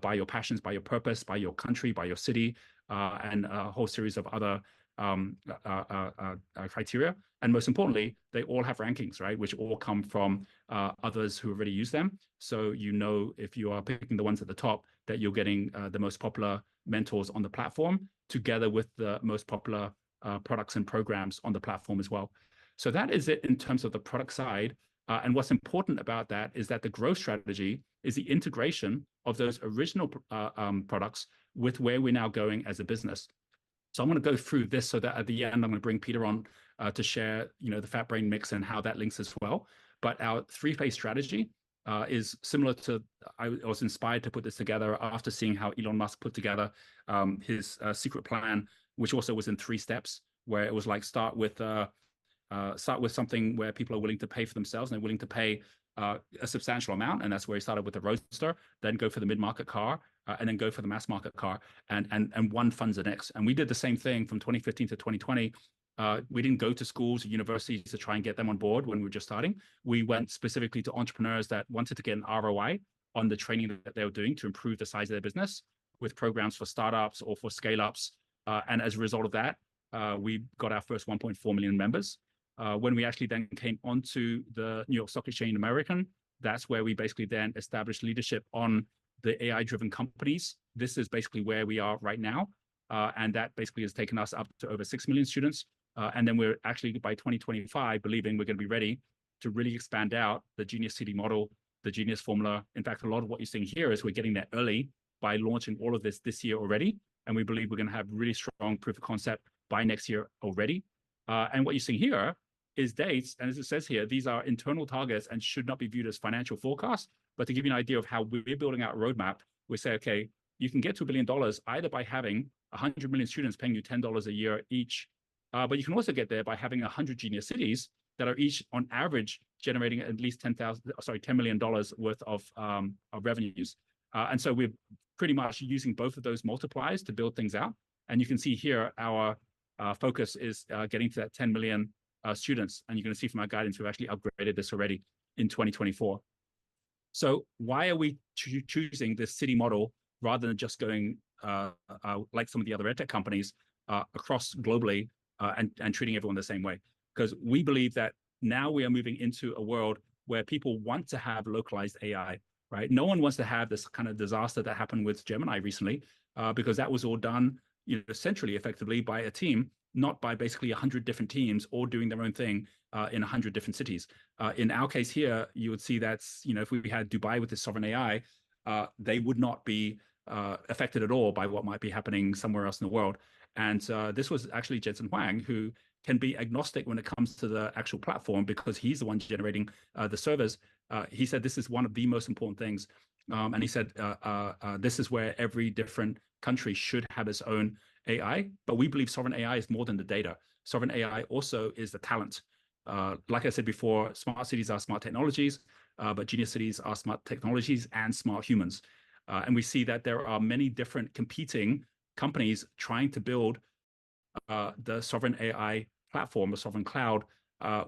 by your passions, by your purpose, by your country, by your city, and a whole series of other criteria. Most importantly, they all have rankings, right? Which all come from others who already use them. So you know if you are picking the ones at the top that you're getting the most popular mentors on the platform together with the most popular products and programs on the platform as well. So that is it in terms of the product side. And what's important about that is that the growth strategy is the integration of those original products with where we're now going as a business. So I'm going to go through this so that at the end, I'm going to bring Peter on to share the FatBrain mix and how that links as well. But our three-phase strategy is similar to, I was inspired to put this together after seeing how Elon Musk put together his secret plan, which also was in three steps, where it was like start with something where people are willing to pay for themselves and they're willing to pay a substantial amount. That's where he started with the Roadster, then go for the mid-market car, and then go for the mass market car, and one funds the next. We did the same thing from 2015 to 2020. We didn't go to schools or universities to try and get them on board when we were just starting. We went specifically to entrepreneurs that wanted to get an ROI on the training that they were doing to improve the size of their business with programs for startups or for scale-ups. As a result of that, we got our first 1.4 million members. When we actually then came onto the New York Stock Exchange in America, that's where we basically then established leadership on the AI-driven companies. This is basically where we are right now. That basically has taken us up to over 6 million students. Then we're actually, by 2025, believing we're going to be ready to really expand out the Genius City model, the Genius formula. In fact, a lot of what you're seeing here is we're getting there early by launching all of this this year already. We believe we're going to have really strong proof of concept by next year already. What you're seeing here is dates. As it says here, these are internal targets and should not be viewed as financial forecasts. But to give you an idea of how we're building our roadmap, we say, okay, you can get $2 billion either by having 100 million students paying you $10 a year each. You can also get there by having 100 Genius Cities that are each, on average, generating at least $10, sorry, $10 million worth of revenues. So we're pretty much using both of those multipliers to build things out. You can see here our focus is getting to that 10 million students. You're going to see from our guidance, we've actually upgraded this already in 2024. Why are we choosing this city model rather than just going like some of the other EdTech companies across globally and treating everyone the same way? Because we believe that now we are moving into a world where people want to have localized AI, right? No one wants to have this kind of disaster that happened with Gemini recently because that was all done centrally, effectively, by a team, not by basically 100 different teams all doing their own thing in 100 different cities. In our case here, you would see that if we had Dubai with this Sovereign AI, they would not be affected at all by what might be happening somewhere else in the world. And this was actually Jensen Huang, who can be agnostic when it comes to the actual platform because he's the one generating the servers. He said this is one of the most important things. And he said this is where every different country should have its own AI. But we believe Sovereign AI is more than the data. Sovereign AI also is the talent. Like I said before, smart cities are smart technologies, but Genius Cities are smart technologies and smart humans. We see that there are many different competing companies trying to build the sovereign AI platform, the sovereign cloud,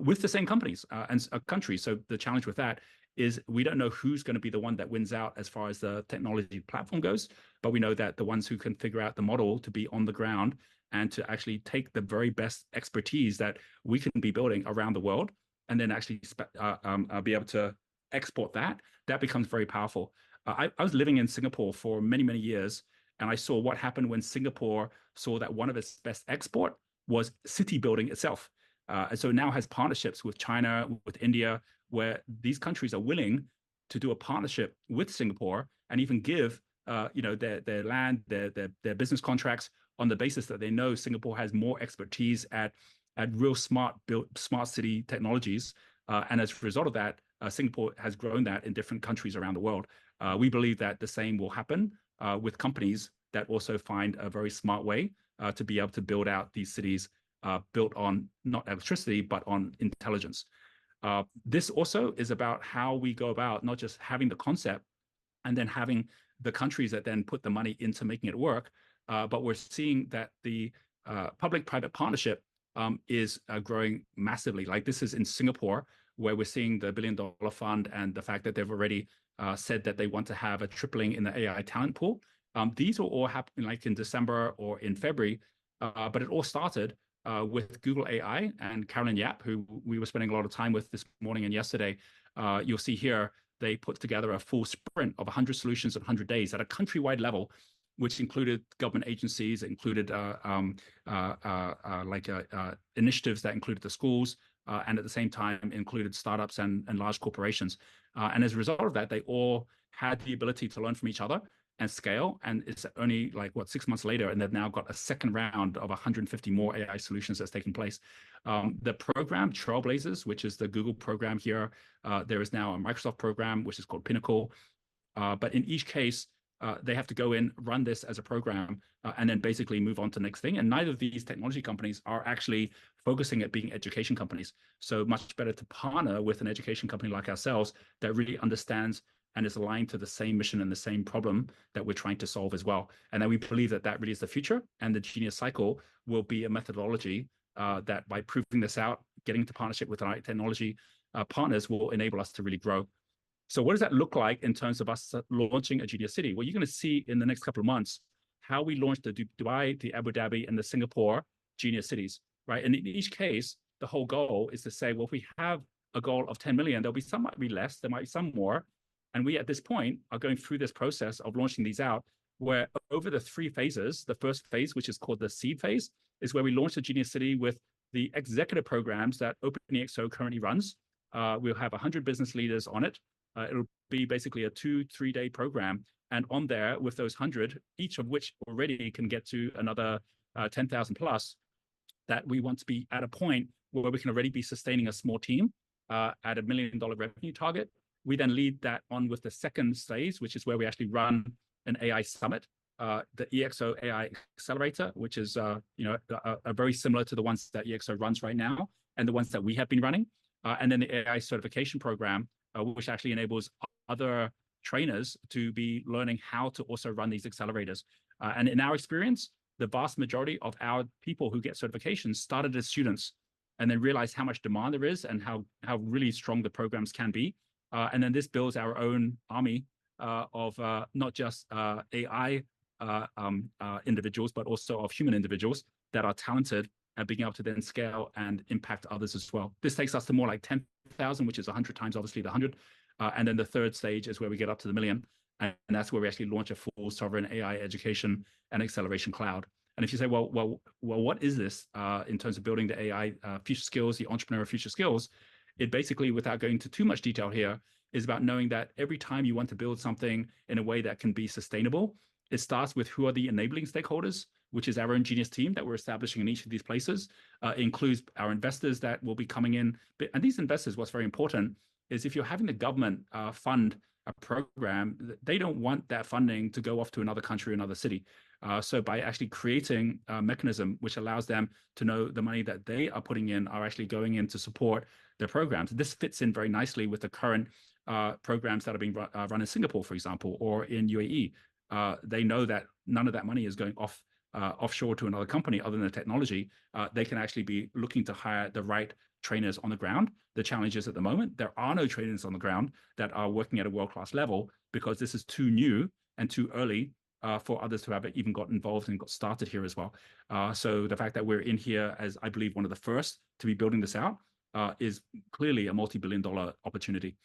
with the same companies and countries. The challenge with that is we don't know who's going to be the one that wins out as far as the technology platform goes. We know that the ones who can figure out the model to be on the ground and to actually take the very best expertise that we can be building around the world and then actually be able to export that, that becomes very powerful. I was living in Singapore for many, many years, and I saw what happened when Singapore saw that one of its best exports was city building itself. So now has partnerships with China, with India, where these countries are willing to do a partnership with Singapore and even give their land, their business contracts on the basis that they know Singapore has more expertise at real smart city technologies. As a result of that, Singapore has grown that in different countries around the world. We believe that the same will happen with companies that also find a very smart way to be able to build out these cities built on not electricity, but on intelligence. This also is about how we go about not just having the concept and then having the countries that then put the money into making it work, but we're seeing that the public-private partnership is growing massively. Like this is in Singapore, where we're seeing the billion-dollar fund and the fact that they've already said that they want to have a tripling in the AI talent pool. These were all happening in December or in February. But it all started with Google AI and Caroline Yap, who we were spending a lot of time with this morning and yesterday. You'll see here they put together a full sprint of 100 solutions in 100 days at a countrywide level, which included government agencies, included initiatives that included the schools, and at the same time included startups and large corporations. And as a result of that, they all had the ability to learn from each other and scale. And it's only like what, six months later, and they've now got a second round of 150 more AI solutions that's taken place. The program, Trailblazers, which is the Google program here. There is now a Microsoft program, which is called Pinnacle. But in each case, they have to go in, run this as a program, and then basically move on to the next thing. And neither of these technology companies are actually focusing at being education companies. So much better to partner with an education company like ourselves that really understands and is aligned to the same mission and the same problem that we're trying to solve as well. And then we believe that that really is the future. And the Genius Cycle will be a methodology that by proving this out, getting into partnership with our technology partners will enable us to really grow. So what does that look like in terms of us launching a Genius City? Well, you're going to see in the next couple of months how we launched the Dubai, the Abu Dhabi, and the Singapore Genius Cities, right? And in each case, the whole goal is to say, well, if we have a goal of 10 million, there'll be some might be less, there might be some more. And we at this point are going through this process of launching these out where over the three phases, the first phase, which is called the seed phase, is where we launch the Genius City with the executive programs that OpenExO currently runs. We'll have 100 business leaders on it. It'll be basically a two, three-day program. And on there with those 100, each of which already can get to another 10,000 plus, that we want to be at a point where we can already be sustaining a small team at a million-dollar revenue target. We then lead that on with the second stage, which is where we actually run an AI summit, the EXO AI Accelerator, which is very similar to the ones that EXO runs right now and the ones that we have been running. Then the AI certification program, which actually enables other trainers to be learning how to also run these accelerators. In our experience, the vast majority of our people who get certifications started as students and then realized how much demand there is and how really strong the programs can be. Then this builds our own army of not just AI individuals, but also of human individuals that are talented at being able to then scale and impact others as well. This takes us to more like 10,000, which is 100 times, obviously, the 100. And then the third stage is where we get up to the 1 million. And that's where we actually launch a full sovereign AI education and acceleration cloud. And if you say, well, well, well, what is this in terms of building the AI future skills, the entrepreneurial future skills? It basically, without going into too much detail here, is about knowing that every time you want to build something in a way that can be sustainable, it starts with who are the enabling stakeholders, which is our own Genius team that we're establishing in each of these places. It includes our investors that will be coming in. And these investors, what's very important is if you're having the government fund a program, they don't want that funding to go off to another country, another city. So by actually creating a mechanism which allows them to know the money that they are putting in are actually going in to support their programs. This fits in very nicely with the current programs that are being run in Singapore, for example, or in UAE. They know that none of that money is going offshore to another company other than the technology. They can actually be looking to hire the right trainers on the ground. The challenge is at the moment, there are no trainers on the ground that are working at a world-class level because this is too new and too early for others to have even gotten involved and got started here as well. So the fact that we're in here as, I believe, one of the first to be building this out is clearly a multi-billion-dollar opportunity.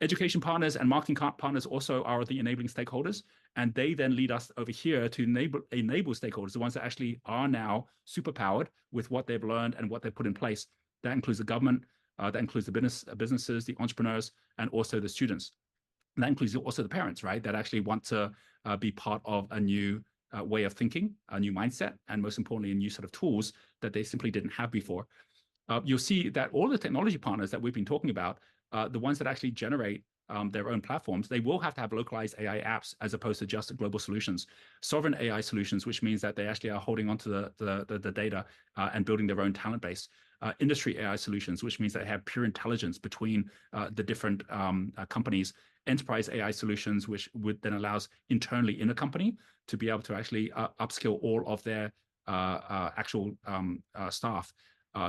Education partners and marketing partners also are the enabling stakeholders. And they then lead us over here to enable stakeholders, the ones that actually are now superpowered with what they've learned and what they've put in place. That includes the government. That includes the businesses, the entrepreneurs, and also the students. That includes also the parents, right, that actually want to be part of a new way of thinking, a new mindset, and most importantly, a new set of tools that they simply didn't have before. You'll see that all the technology partners that we've been talking about, the ones that actually generate their own platforms, they will have to have localized AI apps as opposed to just global solutions. Sovereign AI solutions, which means that they actually are holding onto the data and building their own talent base. Industry AI solutions, which means they have pure intelligence between the different companies. Enterprise AI solutions, which would then allow internally in a company to be able to actually upskill all of their actual staff.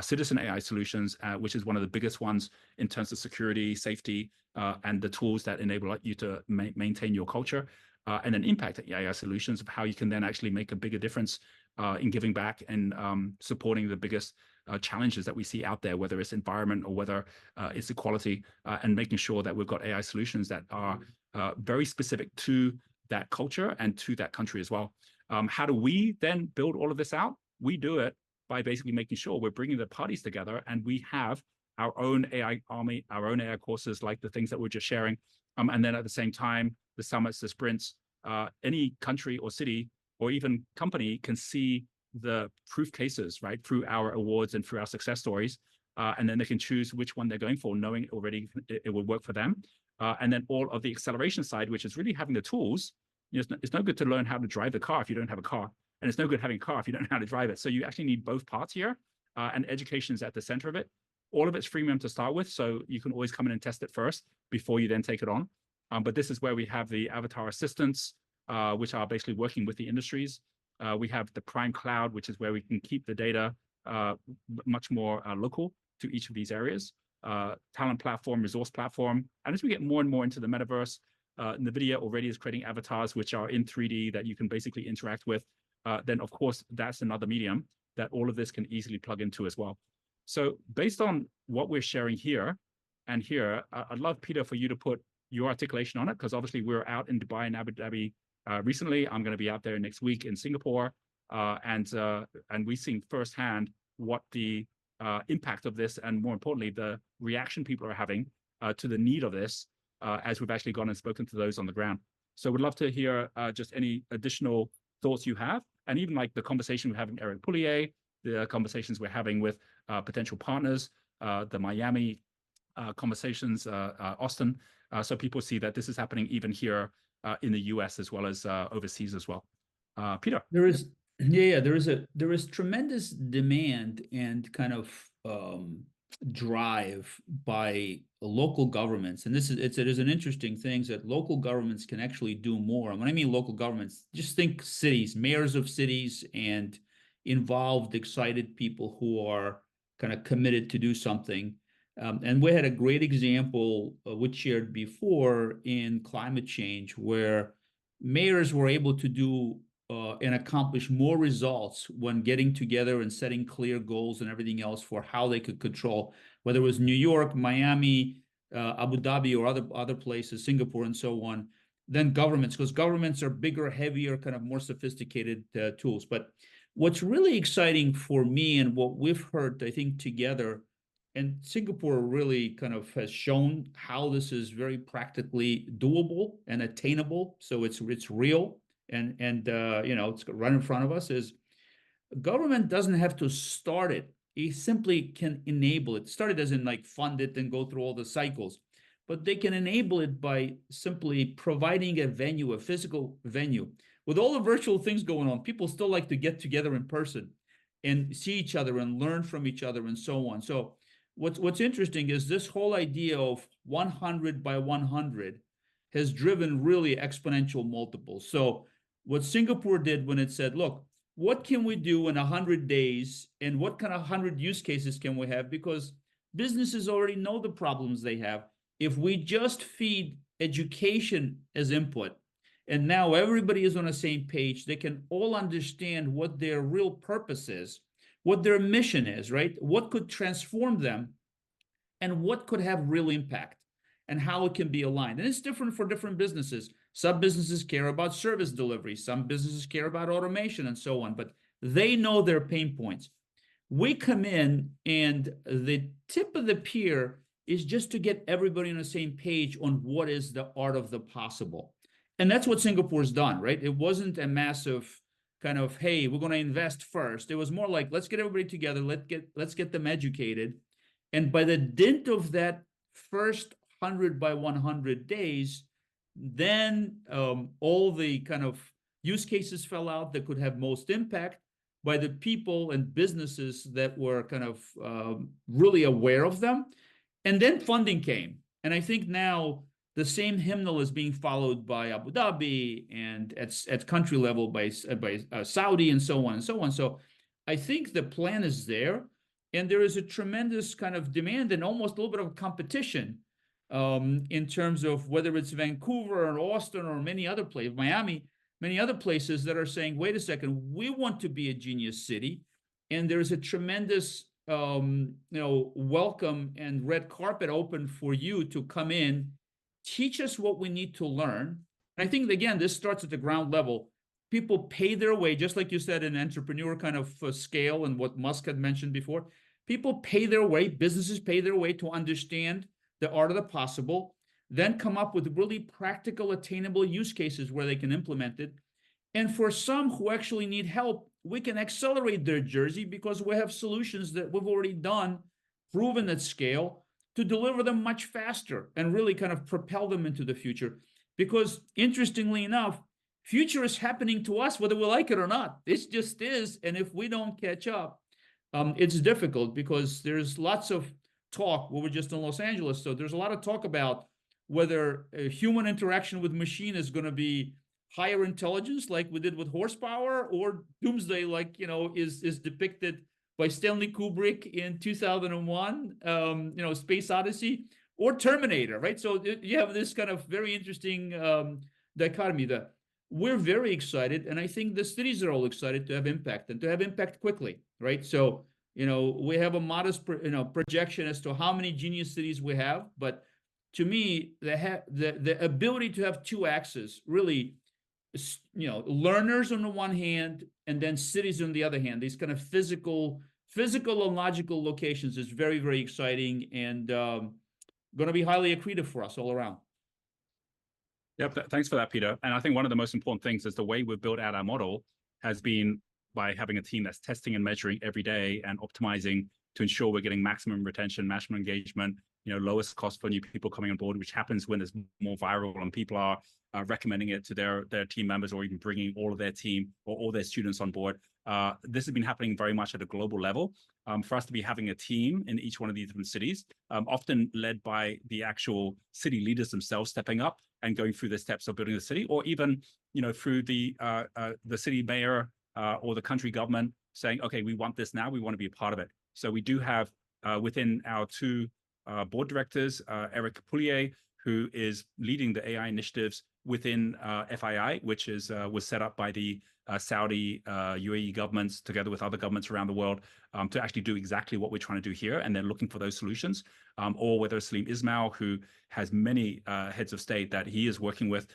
Citizen AI solutions, which is one of the biggest ones in terms of security, safety, and the tools that enable you to maintain your culture. And then impact AI solutions of how you can then actually make a bigger difference in giving back and supporting the biggest challenges that we see out there, whether it's environment or whether it's equality, and making sure that we've got AI solutions that are very specific to that culture and to that country as well. How do we then build all of this out? We do it by basically making sure we're bringing the parties together and we have our own AI army, our own AI courses, like the things that we're just sharing. And then at the same time, the summits, the sprints, any country or city or even company can see the proof cases, right, through our awards and through our success stories. And then they can choose which one they're going for, knowing already it would work for them. And then all of the acceleration side, which is really having the tools. It's no good to learn how to drive the car if you don't have a car. And it's no good having a car if you don't know how to drive it. So you actually need both parts here. And education is at the center of it. All of it's freemium to start with, so you can always come in and test it first before you then take it on. But this is where we have the avatar assistants, which are basically working with the industries. We have the Prime Cloud, which is where we can keep the data much more local to each of these areas. Talent platform, resource platform. And as we get more and more into the metaverse, NVIDIA already is creating avatars, which are in 3D that you can basically interact with. Then, of course, that's another medium that all of this can easily plug into as well. So based on what we're sharing here and here, I'd love, Peter, for you to put your articulation on it because obviously we're out in Dubai and Abu Dhabi recently. I'm going to be out there next week in Singapore. We're seeing firsthand what the impact of this and more importantly, the reaction people are having to the need of this as we've actually gone and spoken to those on the ground. We'd love to hear just any additional thoughts you have. Even like the conversation we're having with Eric Pulier, the conversations we're having with potential partners, the Miami conversations, Austin. People see that this is happening even here in the U.S. as well as overseas as well. Peter? Yeah, yeah, there is a tremendous demand and kind of drive by local governments. This is an interesting thing that local governments can actually do more. When I mean local governments, just think cities, mayors of cities, and involved, excited people who are kind of committed to do something. We had a great example we'd shared before in climate change where mayors were able to do and accomplish more results when getting together and setting clear goals and everything else for how they could control, whether it was New York, Miami, Abu Dhabi, or other places, Singapore, and so on. Then governments, because governments are bigger, heavier, kind of more sophisticated tools. But what's really exciting for me and what we've heard, I think, together, and Singapore really kind of has shown how this is very practically doable and attainable. So it's real. And it's run in front of us is government doesn't have to start it. It simply can enable it. Start it doesn't like fund it and go through all the cycles. But they can enable it by simply providing a venue, a physical venue. With all the virtual things going on, people still like to get together in person and see each other and learn from each other and so on. So what's interesting is this whole idea of 100 by 100 has driven really exponential multiples. So what Singapore did when it said, look, what can we do in 100 days and what kind of 100 use cases can we have? Because businesses already know the problems they have. If we just feed education as input and now everybody is on the same page, they can all understand what their real purpose is, what their mission is, right? What could transform them? And what could have real impact? And how it can be aligned. And it's different for different businesses. Sub-businesses care about service delivery. Some businesses care about automation and so on. But they know their pain points. We come in and the tip of the pier is just to get everybody on the same page on what is the art of the possible. And that's what Singapore has done, right? It wasn't a massive kind of, hey, we're going to invest first. It was more like, let's get everybody together. Let's get them educated. And by the dint of that first 100 by 100 days, then all the kind of use cases fell out that could have most impact by the people and businesses that were kind of really aware of them. And then funding came. And I think now the same hymn is being followed by Abu Dhabi and at country level by Saudi and so on and so on. So I think the plan is there. There is a tremendous kind of demand and almost a little bit of competition in terms of whether it's Vancouver or Austin or Miami, many other places that are saying, wait a second, we want to be a Genius City. There's a tremendous, you know, welcome and red carpet open for you to come in. Teach us what we need to learn. I think, again, this starts at the ground level. People pay their way, just like you said, in entrepreneur kind of scale and what Musk had mentioned before. People pay their way, businesses pay their way to understand the art of the possible, then come up with really practical, attainable use cases where they can implement it. For some who actually need help, we can accelerate their journey because we have solutions that we've already done, proven at scale, to deliver them much faster and really kind of propel them into the future. Because interestingly enough, the future is happening to us, whether we like it or not. It just is. And if we don't catch up, it's difficult because there's lots of talk. Well, we're just in Los Angeles. So there's a lot of talk about whether human interaction with machine is going to be higher intelligence like we did with horsepower or doomsday like, you know, is depicted by Stanley Kubrick in 2001: A Space Odyssey or Terminator, right? So you have this kind of very interesting dichotomy that we're very excited and I think the cities are all excited to have impact and to have impact quickly, right? So, you know, we have a modest, you know, projection as to how many Genius Cities we have. But to me, the ability to have two axes really, you know, learners on the one hand and then cities on the other hand, these kind of physical, physical and logical locations is very, very exciting and going to be highly accretive for us all around. Yep, thanks for that, Peter. And I think one of the most important things is the way we've built out our model has been by having a team that's testing and measuring every day and optimizing to ensure we're getting maximum retention, maximum engagement, you know, lowest cost for new people coming on board, which happens when it's more viral and people are recommending it to their team members or even bringing all of their team or all their students on board. This has been happening very much at a global level. For us to be having a team in each one of these different cities, often led by the actual city leaders themselves stepping up and going through the steps of building the city or even, you know, through the city mayor or the country government saying, okay, we want this now. We want to be a part of it. So we do have within our two board directors, Eric Pulier, who is leading the AI initiatives within FII, which was set up by the Saudi and UAE governments together with other governments around the world to actually do exactly what we're trying to do here. And they're looking for those solutions. Or whether it's Salim Ismail, who has many heads of state that he is working with,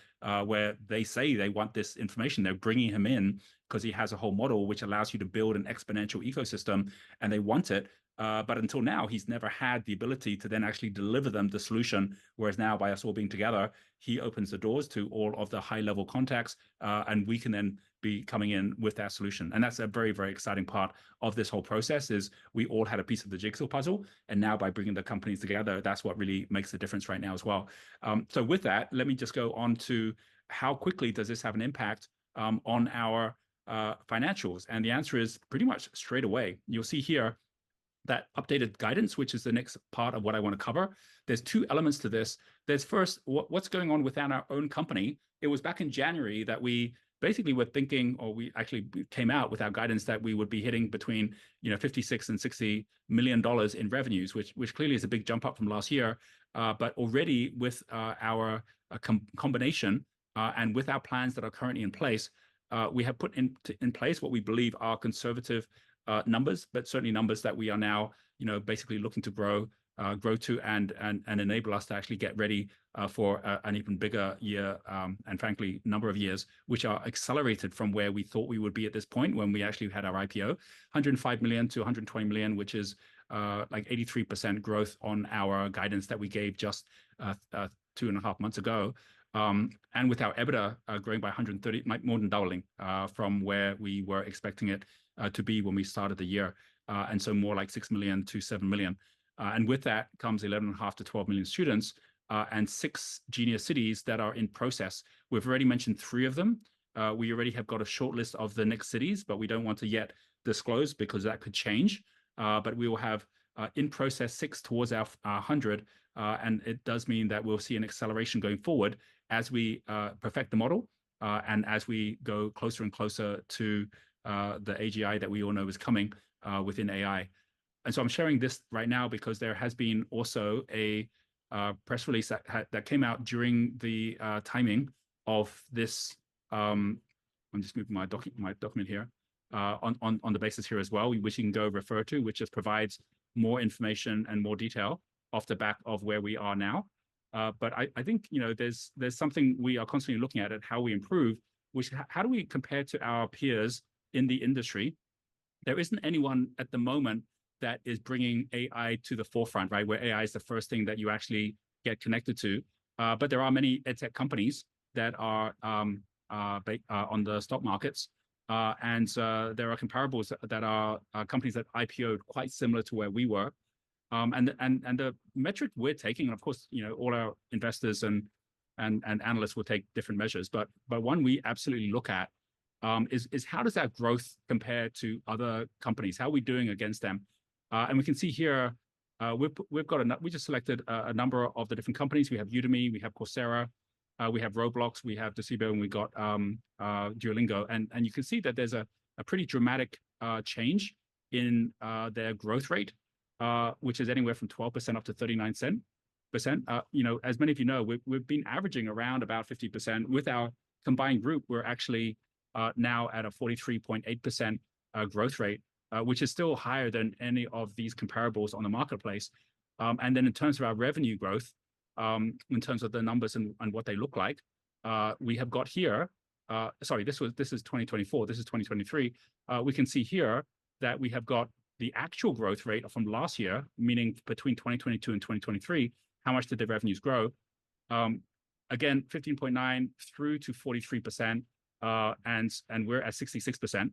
where they say they want this information. They're bringing him in because he has a whole model which allows you to build an exponential ecosystem. They want it. Until now, he's never had the ability to then actually deliver them the solution. Whereas now, by us all being together, he opens the doors to all of the high-level contacts and we can then be coming in with that solution. That's a very, very exciting part of this whole process, is we all had a piece of the jigsaw puzzle. Now, by bringing the companies together, that's what really makes the difference right now as well. With that, let me just go on to how quickly does this have an impact on our financials? The answer is pretty much straight away. You'll see here that updated guidance, which is the next part of what I want to cover. There's two elements to this. There's first, what's going on within our own company? It was back in January that we basically were thinking, or we actually came out with our guidance that we would be hitting between, you know, $56 million-$60 million in revenues, which clearly is a big jump up from last year. But already with our combination and with our plans that are currently in place, we have put in place what we believe are conservative numbers, but certainly numbers that we are now, you know, basically looking to grow to and enable us to actually get ready for an even bigger year and frankly, number of years, which are accelerated from where we thought we would be at this point when we actually had our IPO, $105 million-$120 million, which is like 83% growth on our guidance that we gave just two and a half months ago. And with our EBITDA growing by 130%, might more than doubling from where we were expecting it to be when we started the year. And so more like $6 million-$7 million. With that comes 11.5million -12 million students and six Genius Cities that are in process. We've already mentioned three of them. We already have got a short list of the next cities, but we don't want to yet disclose because that could change. But we will have in process six towards our 100. It does mean that we'll see an acceleration going forward as we perfect the model and as we go closer and closer to the AGI that we all know is coming within AI. So I'm sharing this right now because there has been also a press release that came out during the timing of this. I'm just moving my document here on the basis here as well, which you can go refer to, which just provides more information and more detail off the back of where we are now. But I think, you know, there's something we are constantly looking at how we improve, which how do we compare to our peers in the industry? There isn't anyone at the moment that is bringing AI to the forefront, right, where AI is the first thing that you actually get connected to. But there are many EdTech companies that are on the stock markets. And there are comparables that are companies that IPOed quite similar to where we were. And the metric we're taking, and of course, you know, all our investors and analysts will take different measures. But one we absolutely look at is how does that growth compare to other companies? How are we doing against them? And we can see here we've got a we just selected a number of the different companies. We have Udemy, we have Coursera. We have Roblox, we have Docebo, and we've got Duolingo. And you can see that there's a pretty dramatic change in their growth rate, which is anywhere from 12%-39%. You know, as many of you know, we've been averaging around about 50%. With our combined group, we're actually now at a 43.8% growth rate, which is still higher than any of these comparables on the marketplace. And then in terms of our revenue growth, in terms of the numbers and what they look like, we have got here. Sorry, this was 2024. This is 2023. We can see here that we have got the actual growth rate from last year, meaning between 2022 and 2023, how much did the revenues grow? Again, 15.9%-43%. And we're at 66%.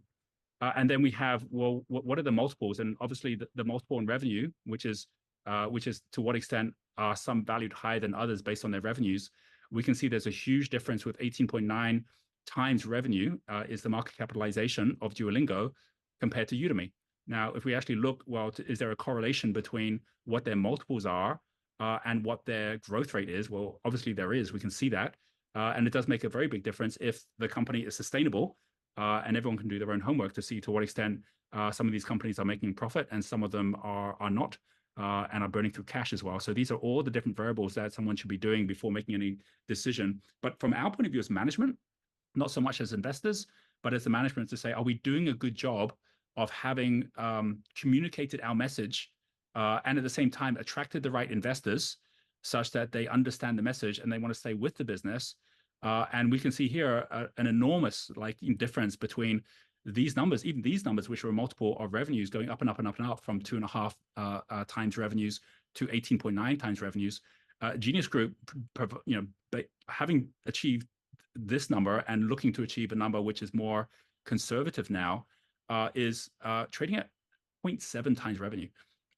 And then we have, well, what are the multiples? Obviously, the multiple in revenue, which is to what extent are some valued higher than others based on their revenues? We can see there's a huge difference with 18.9x revenue is the market capitalization of Duolingo compared to Udemy. Now, if we actually look, well, is there a correlation between what their multiples are and what their growth rate is? Well, obviously, there is. We can see that. And it does make a very big difference if the company is sustainable. And everyone can do their own homework to see to what extent some of these companies are making profit and some of them are not and are burning through cash as well. So these are all the different variables that someone should be doing before making any decision. But from our point of view as management, not so much as investors, but as the management to say, are we doing a good job of having communicated our message and at the same time attracted the right investors such that they understand the message and they want to stay with the business? And we can see here an enormous difference between these numbers, even these numbers, which were a multiple of revenues going up and up and up and up from 2.5x revenues to 18.9x revenues. Genius Group, you know, having achieved this number and looking to achieve a number which is more conservative now is trading at 0.7x revenue.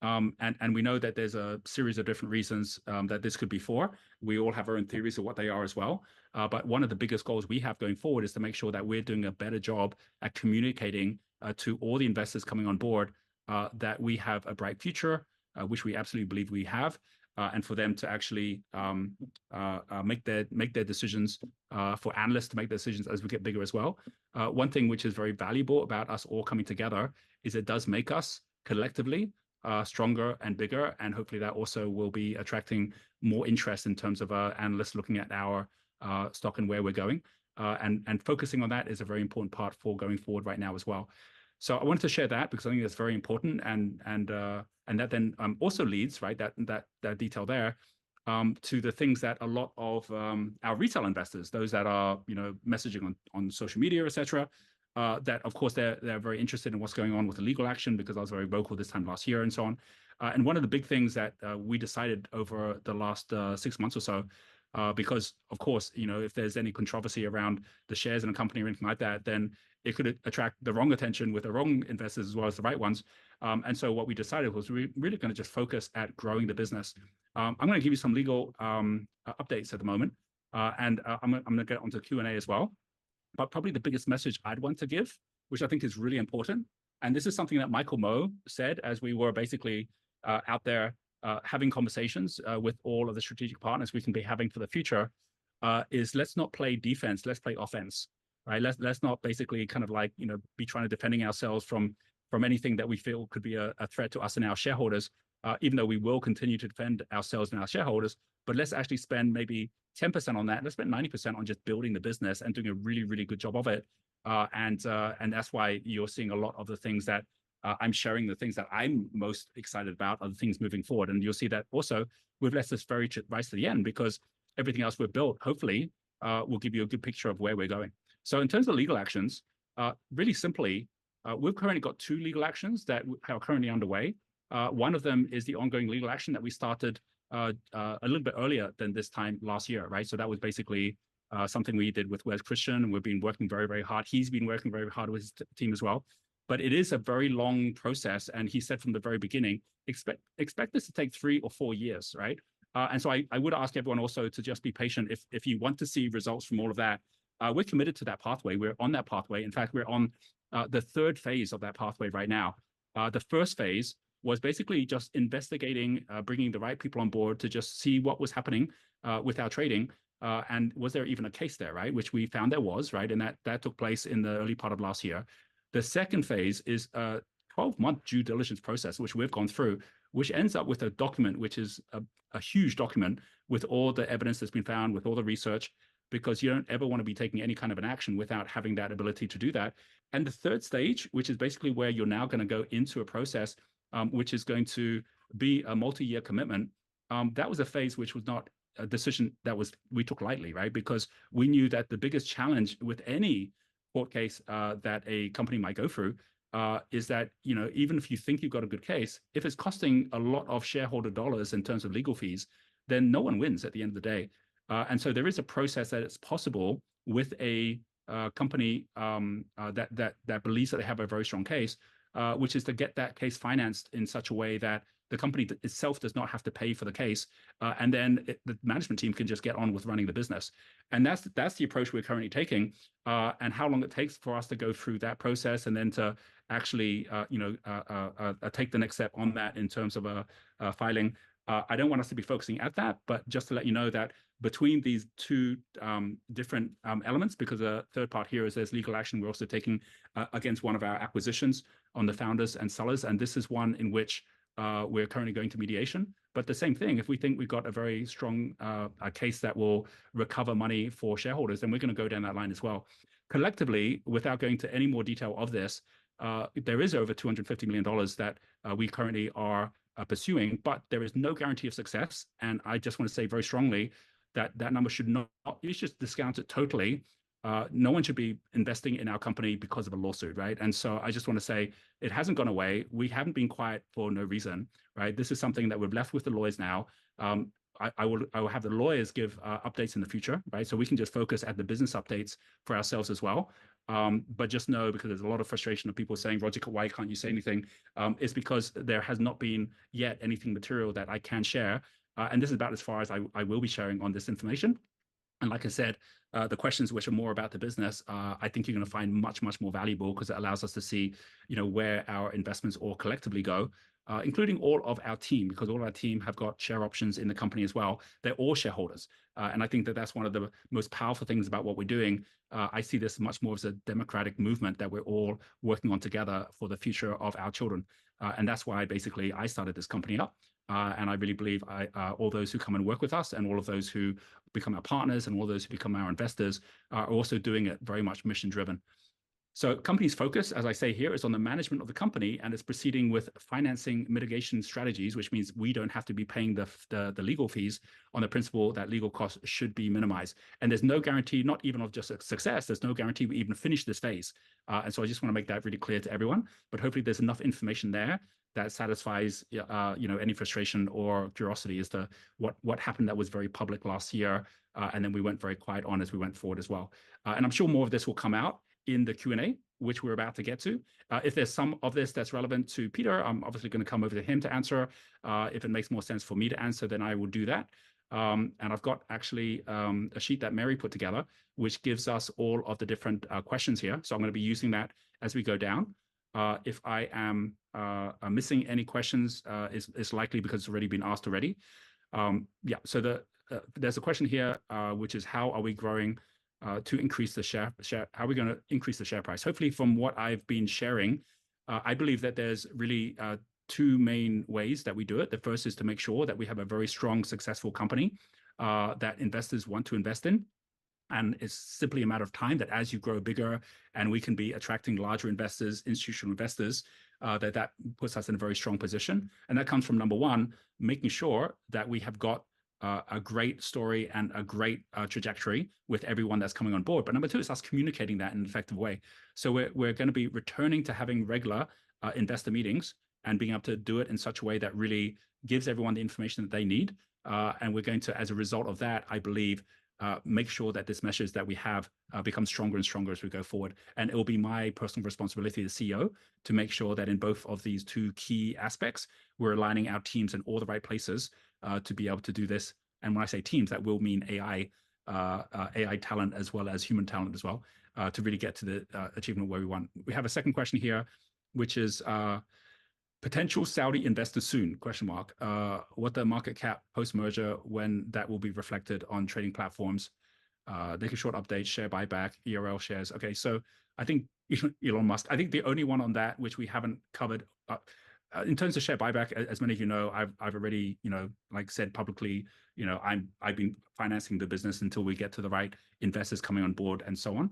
And we know that there's a series of different reasons that this could be for. We all have our own theories of what they are as well. But one of the biggest goals we have going forward is to make sure that we're doing a better job at communicating to all the investors coming on board that we have a bright future, which we absolutely believe we have, and for them to actually make their decisions, for analysts to make decisions as we get bigger as well. One thing which is very valuable about us all coming together is it does make us collectively stronger and bigger. And hopefully that also will be attracting more interest in terms of our analysts looking at our stock and where we're going. And focusing on that is a very important part for going forward right now as well. So I wanted to share that because I think that's very important. That then also leads, right? That detail there to the things that a lot of our retail investors, those that are, you know, messaging on social media, etc., that of course they're very interested in what's going on with the legal action because I was very vocal this time last year and so on. One of the big things that we decided over the last six months or so, because of course, you know, if there's any controversy around the shares in a company or anything like that, then it could attract the wrong attention with the wrong investors as well as the right ones. So what we decided was we're really going to just focus on growing the business. I'm going to give you some legal updates at the moment. And I'm going to get onto Q&A as well. But probably the biggest message I'd want to give, which I think is really important. This is something that Michael Moe said as we were basically out there having conversations with all of the strategic partners we can be having for the future, is let's not play defense, let's play offense, right? Let's not basically kind of like, you know, be trying to defend ourselves from anything that we feel could be a threat to us and our shareholders, even though we will continue to defend ourselves and our shareholders. But let's actually spend maybe 10% on that. Let's spend 90% on just building the business and doing a really, really good job of it. That's why you're seeing a lot of the things that I'm sharing, the things that I'm most excited about are the things moving forward. You'll see that also we've left this very ripe to the end because everything else we've built, hopefully, will give you a good picture of where we're going. In terms of legal actions, really simply, we've currently got two legal actions that are currently underway. One of them is the ongoing legal action that we started a little bit earlier than this time last year, right? That was basically something we did with Wes Christian. We've been working very, very hard. He's been working very hard with his team as well. It is a very long process. He said from the very beginning, expect this to take three or four years, right? I would ask everyone also to just be patient. If you want to see results from all of that, we're committed to that pathway. We're on that pathway. In fact, we're on the third phase of that pathway right now. The first phase was basically just investigating, bringing the right people on board to just see what was happening with our trading. Was there even a case there, right? Which we found there was, right? That took place in the early part of last year. The second phase is a 12-month due diligence process, which we've gone through, which ends up with a document, which is a huge document with all the evidence that's been found, with all the research, because you don't ever want to be taking any kind of an action without having that ability to do that. The third stage, which is basically where you're now going to go into a process, which is going to be a multi-year commitment. That was a phase which was not a decision that we took lightly, right? Because we knew that the biggest challenge with any court case that a company might go through is that, you know, even if you think you've got a good case, if it's costing a lot of shareholder dollars in terms of legal fees, then no one wins at the end of the day. And so there is a process that it's possible with a company that believes that they have a very strong case, which is to get that case financed in such a way that the company itself does not have to pay for the case. And then the management team can just get on with running the business. And that's the approach we're currently taking. And how long it takes for us to go through that process and then to actually, you know, take the next step on that in terms of filing. I don't want us to be focusing at that, but just to let you know that between these two different elements, because the third part here is there's legal action, we're also taking against one of our acquisitions on the founders and sellers. This is one in which we're currently going to mediation. The same thing, if we think we've got a very strong case that will recover money for shareholders, then we're going to go down that line as well. Collectively, without going to any more detail of this, there is over $250 million that we currently are pursuing, but there is no guarantee of success. I just want to say very strongly that that number should not. It's just discount it totally. No one should be investing in our company because of a lawsuit, right? So I just want to say it hasn't gone away. We haven't been quiet for no reason, right? This is something that we've left with the lawyers now. I will have the lawyers give updates in the future, right? So we can just focus at the business updates for ourselves as well. But just know, because there's a lot of frustration of people saying, "Roger, why can't you say anything?" It's because there has not been yet anything material that I can share. And this is about as far as I will be sharing on this information. Like I said, the questions which are more about the business, I think you're going to find much, much more valuable because it allows us to see, you know, where our investments all collectively go, including all of our team, because all of our team have got share options in the company as well. They're all shareholders. And I think that that's one of the most powerful things about what we're doing. I see this much more as a democratic movement that we're all working on together for the future of our children. And that's why basically I started this company up. And I really believe all those who come and work with us and all of those who become our partners and all those who become our investors are also doing it very much mission-driven. So companies' focus, as I say here, is on the management of the company, and it's proceeding with financing mitigation strategies, which means we don't have to be paying the legal fees on the principle that legal costs should be minimized. There's no guarantee, not even of just success. There's no guarantee we even finish this phase. So I just want to make that really clear to everyone. But hopefully there's enough information there that satisfies, you know, any frustration or curiosity as to what happened that was very public last year. And then we went very quiet on as we went forward as well. And I'm sure more of this will come out in the Q&A, which we're about to get to. If there's some of this that's relevant to Peter, I'm obviously going to come over to him to answer. If it makes more sense for me to answer, then I will do that. And I've got actually a sheet that Mary put together, which gives us all of the different questions here. So I'm going to be using that as we go down. If I am missing any questions, it's likely because it's already been asked already. Yeah, so there's a question here, which is, how are we growing to increase the share? How are we going to increase the share price? Hopefully, from what I've been sharing, I believe that there's really two main ways that we do it. The first is to make sure that we have a very strong, successful company that investors want to invest in. It's simply a matter of time that as you grow bigger and we can be attracting larger investors, institutional investors, that that puts us in a very strong position. And that comes from number one, making sure that we have got a great story and a great trajectory with everyone that's coming on board. But number two is us communicating that in an effective way. So we're going to be returning to having regular investor meetings and being able to do it in such a way that really gives everyone the information that they need. And we're going to, as a result of that, I believe, make sure that this measure that we have becomes stronger and stronger as we go forward. It will be my personal responsibility as CEO to make sure that in both of these two key aspects, we're aligning our teams in all the right places to be able to do this. When I say teams, that will mean AI talent as well as human talent as well, to really get to the achievement where we want. We have a second question here, which is, potential Saudi investors soon? What the market cap post-merger when that will be reflected on trading platforms? They can short update, share buyback, ERL shares. Okay, so I think Elon Musk, I think the only one on that, which we haven't covered, in terms of share buyback, as many of you know, I've already, you know, like said publicly, you know, I've been financing the business until we get to the right investors coming on board and so on.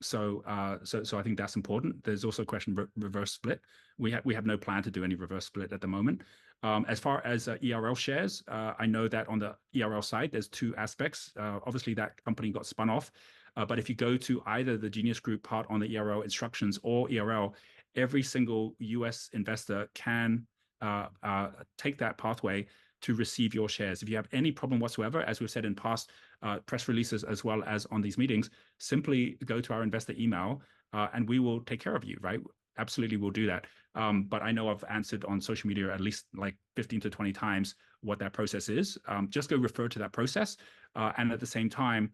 So I think that's important. There's also a question of reverse split. We have no plan to do any reverse split at the moment. As far as ERL shares, I know that on the ERL side, there's two aspects. Obviously, that company got spun off. But if you go to either the Genius Group part on the ERL instructions or ERL, every single U.S. investor can take that pathway to receive your shares. If you have any problem whatsoever, as we've said in past press releases as well as on these meetings, simply go to our investor email and we will take care of you, right? Absolutely, we'll do that. But I know I've answered on social media at least like 15-20x what that process is. Just go refer to that process. And at the same time,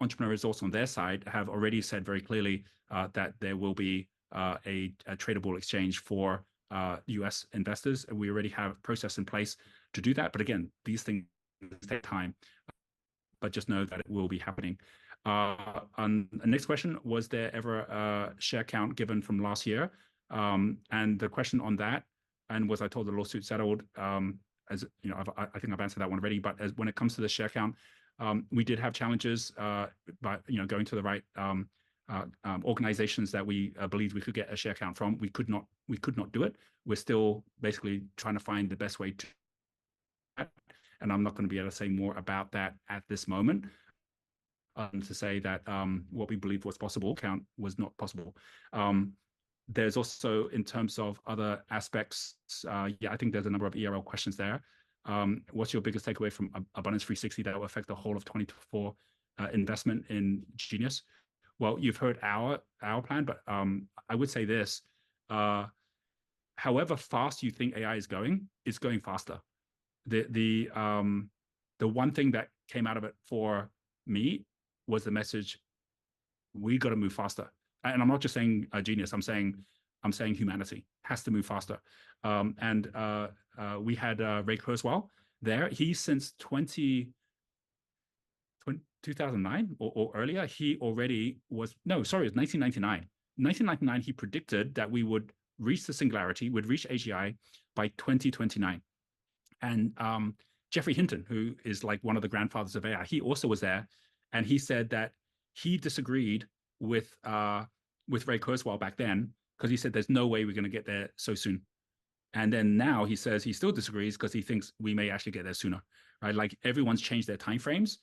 Entrepreneur Resorts on their side have already said very clearly that there will be a tradable exchange for U.S. investors. And we already have a process in place to do that. But again, these things take time. But just know that it will be happening. The next question was, was there ever a share count given from last year? And the question on that, and was I told the lawsuit settled? As you know, I think I've answered that one already. But when it comes to the share count, we did have challenges by, you know, going to the right organizations that we believed we could get a share count from. We could not do it. We're still basically trying to find the best way to do that. And I'm not going to be able to say more about that at this moment. To say that what we believed was possible could not possible. There's also in terms of other aspects. Yeah, I think there's a number of ERL questions there. What's your biggest takeaway from Abundance360 that will affect the whole of 2024 investment in Genius? Well, you've heard our plan, but I would say this. However fast you think AI is going, it's going faster. The one thing that came out of it for me was the message, we got to move faster. And I'm not just saying Genius, I'm saying humanity has to move faster. And we had Ray Kurzweil there. He since 2009 or earlier, he already was, no, sorry, it was 1999. 1999, he predicted that we would reach the singularity, would reach AGI by 2029. And Geoffrey Hinton, who is like one of the grandfathers of AI, he also was there. He said that he disagreed with Ray Kurzweil back then because he said, there's no way we're going to get there so soon. And then now he says he still disagrees because he thinks we may actually get there sooner, right? Like everyone's changed their timeframes.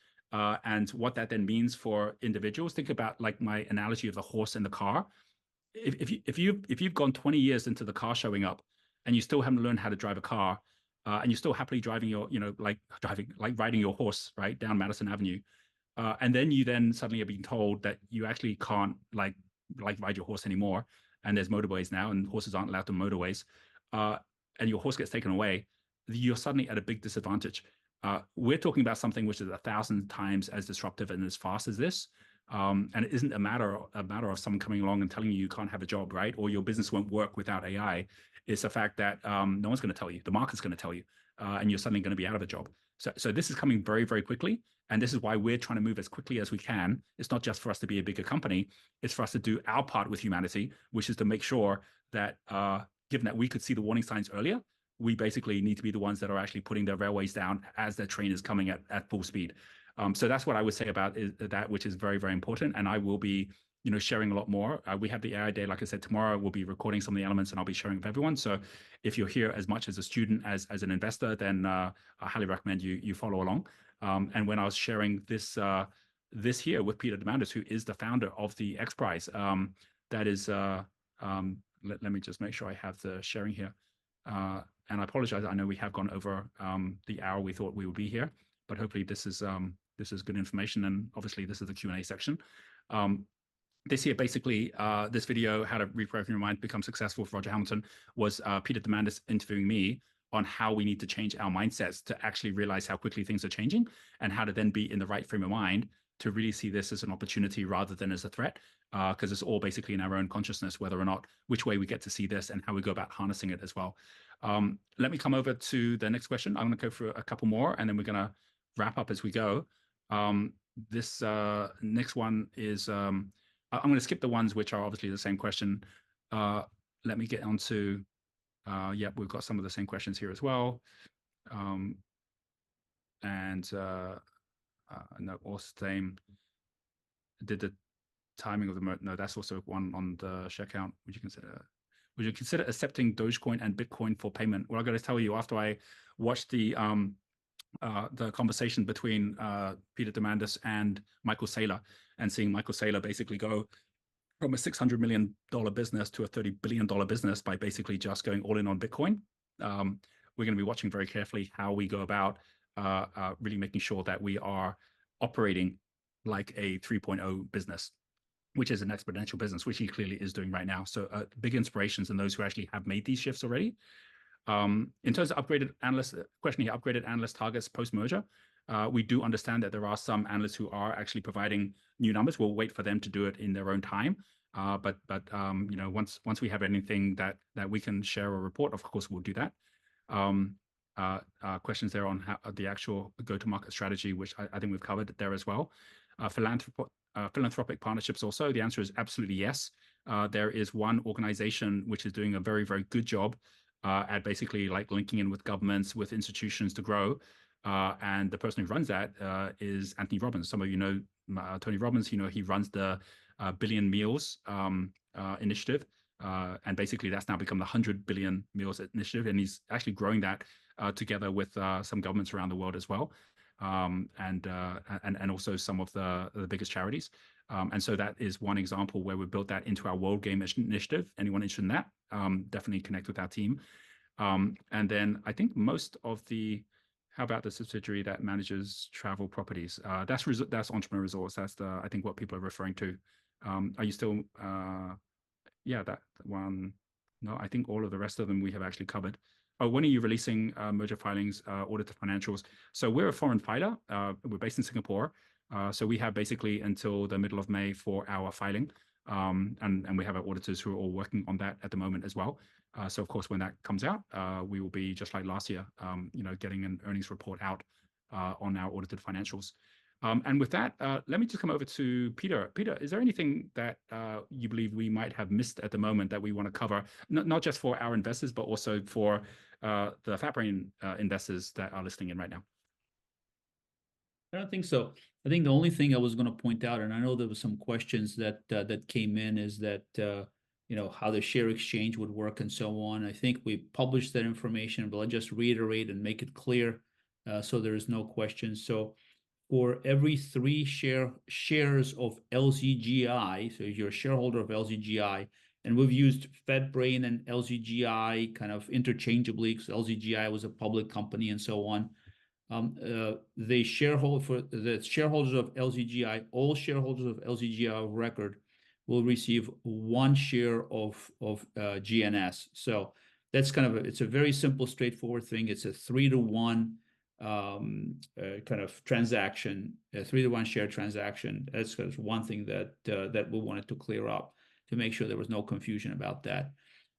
And what that then means for individuals, think about like my analogy of the horse and the car. If you've gone 20 years into the car showing up and you still haven't learned how to drive a car, and you're still happily driving your, you know, like riding your horse, right, down Madison Avenue. And then you then suddenly are being told that you actually can't like ride your horse anymore. And there's motorways now and horses aren't allowed on motorways. And your horse gets taken away. You're suddenly at a big disadvantage. We're talking about something which is 1,000 times as disruptive and as fast as this. And it isn't a matter of someone coming along and telling you you can't have a job, right? Or your business won't work without AI. It's a fact that no one's going to tell you. The market's going to tell you. And you're suddenly going to be out of a job. So this is coming very, very quickly. And this is why we're trying to move as quickly as we can. It's not just for us to be a bigger company. It's for us to do our part with humanity, which is to make sure that given that we could see the warning signs earlier, we basically need to be the ones that are actually putting their railways down as their train is coming at full speed. So that's what I would say about that, which is very, very important. And I will be, you know, sharing a lot more. We have the AI Day. Like I said, tomorrow we'll be recording some of the elements and I'll be sharing with everyone. So if you're here as much as a student, as an investor, then I highly recommend you follow along. And when I was sharing this here with Peter Diamandis, who is the founder of the XPRIZE, that is, let me just make sure I have the sharing here. And I apologize. I know we have gone over the hour we thought we would be here. But hopefully this is good information. And obviously this is the Q&A section. This here, basically, this video, how to reprogram your mind, become successful for Roger Hamilton, was Peter Diamandis interviewing me on how we need to change our mindsets to actually realize how quickly things are changing and how to then be in the right frame of mind to really see this as an opportunity rather than as a threat. Because it's all basically in our own consciousness, whether or not which way we get to see this and how we go about harnessing it as well. Let me come over to the next question. I'm going to go through a couple more and then we're going to wrap up as we go. This next one is, I'm going to skip the ones which are obviously the same question. Let me get onto. Yep, we've got some of the same questions here as well. No, Austin did the timing of the note, no, that's also one on the share count. Would you consider accepting Dogecoin and Bitcoin for payment? Well, I got to tell you, after I watched the conversation between Peter Diamandis and Michael Saylor and seeing Michael Saylor basically go from a $600 million business to a $30 billion business by basically just going all in on Bitcoin, we're going to be watching very carefully how we go about really making sure that we are operating like a 3.0 business, which is an exponential business, which he clearly is doing right now. So big inspirations and those who actually have made these shifts already. In terms of upgraded analyst's question here, upgraded analyst targets post-merger. We do understand that there are some analysts who are actually providing new numbers. We'll wait for them to do it in their own time. But, you know, once we have anything that we can share a report, of course, we'll do that. Questions there on the actual go-to-market strategy, which I think we've covered there as well. Philanthropic partnerships also, the answer is absolutely yes. There is one organization which is doing a very, very good job at basically like linking in with governments, with institutions to grow. And the person who runs that is Anthony Robbins. Some of you know Tony Robbins, you know, he runs the Billion Meals Initiative. And basically that's now become the 100 Billion Meals Initiative. And he's actually growing that together with some governments around the world as well. And also some of the biggest charities. And so that is one example where we built that into our World Game initiative. Anyone interested in that? Definitely connect with our team. And then I think most of the, how about the subsidiary that manages travel properties? That's Entrepreneur Resorts. That's the, I think what people are referring to. Are you still? Yeah, that one. No, I think all of the rest of them we have actually covered. Oh, when are you releasing merger filings, audited financials? So we're a foreign filer. We're based in Singapore. So we have basically until the middle of May for our filing. And we have our auditors who are all working on that at the moment as well. So of course, when that comes out, we will be just like last year, you know, getting an earnings report out on our audited financials. And with that, let me just come over to Peter. Peter, is there anything that you believe we might have missed at the moment that we want to cover, not just for our investors, but also for the FatBrain investors that are listening in right now? I don't think so. I think the only thing I was going to point out, and I know there were some questions that came in is that, you know, how the share exchange would work and so on. I think we published that information, but I'll just reiterate and make it clear. So there are no questions. So for every three shares of LZGI, so if you're a shareholder of LZGI, and we've used FatBrain and LZGI kind of interchangeably because LZGI was a public company and so on. The shareholders of LZGI, all shareholders of LZGI of record will receive one share of GNS. So that's kind of a, it's a very simple, straightforward thing. It's a three-to-one kind of transaction, a three-to-one share transaction. That's one thing that we wanted to clear up to make sure there was no confusion about that.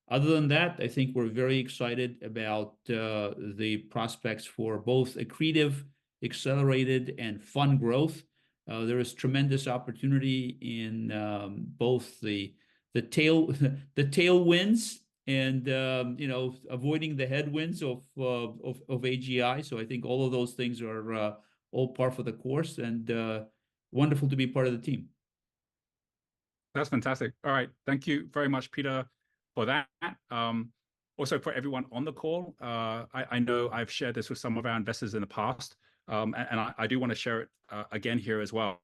Other than that, I think we're very excited about the prospects for both accretive, accelerated, and fun growth. There is tremendous opportunity in both the tailwinds and, you know, avoiding the headwinds of AGI. So I think all of those things are all par for the course and wonderful to be part of the team. That's fantastic. All right. Thank you very much, Peter, for that. Also for everyone on the call, I know I've shared this with some of our investors in the past. I do want to share it again here as well.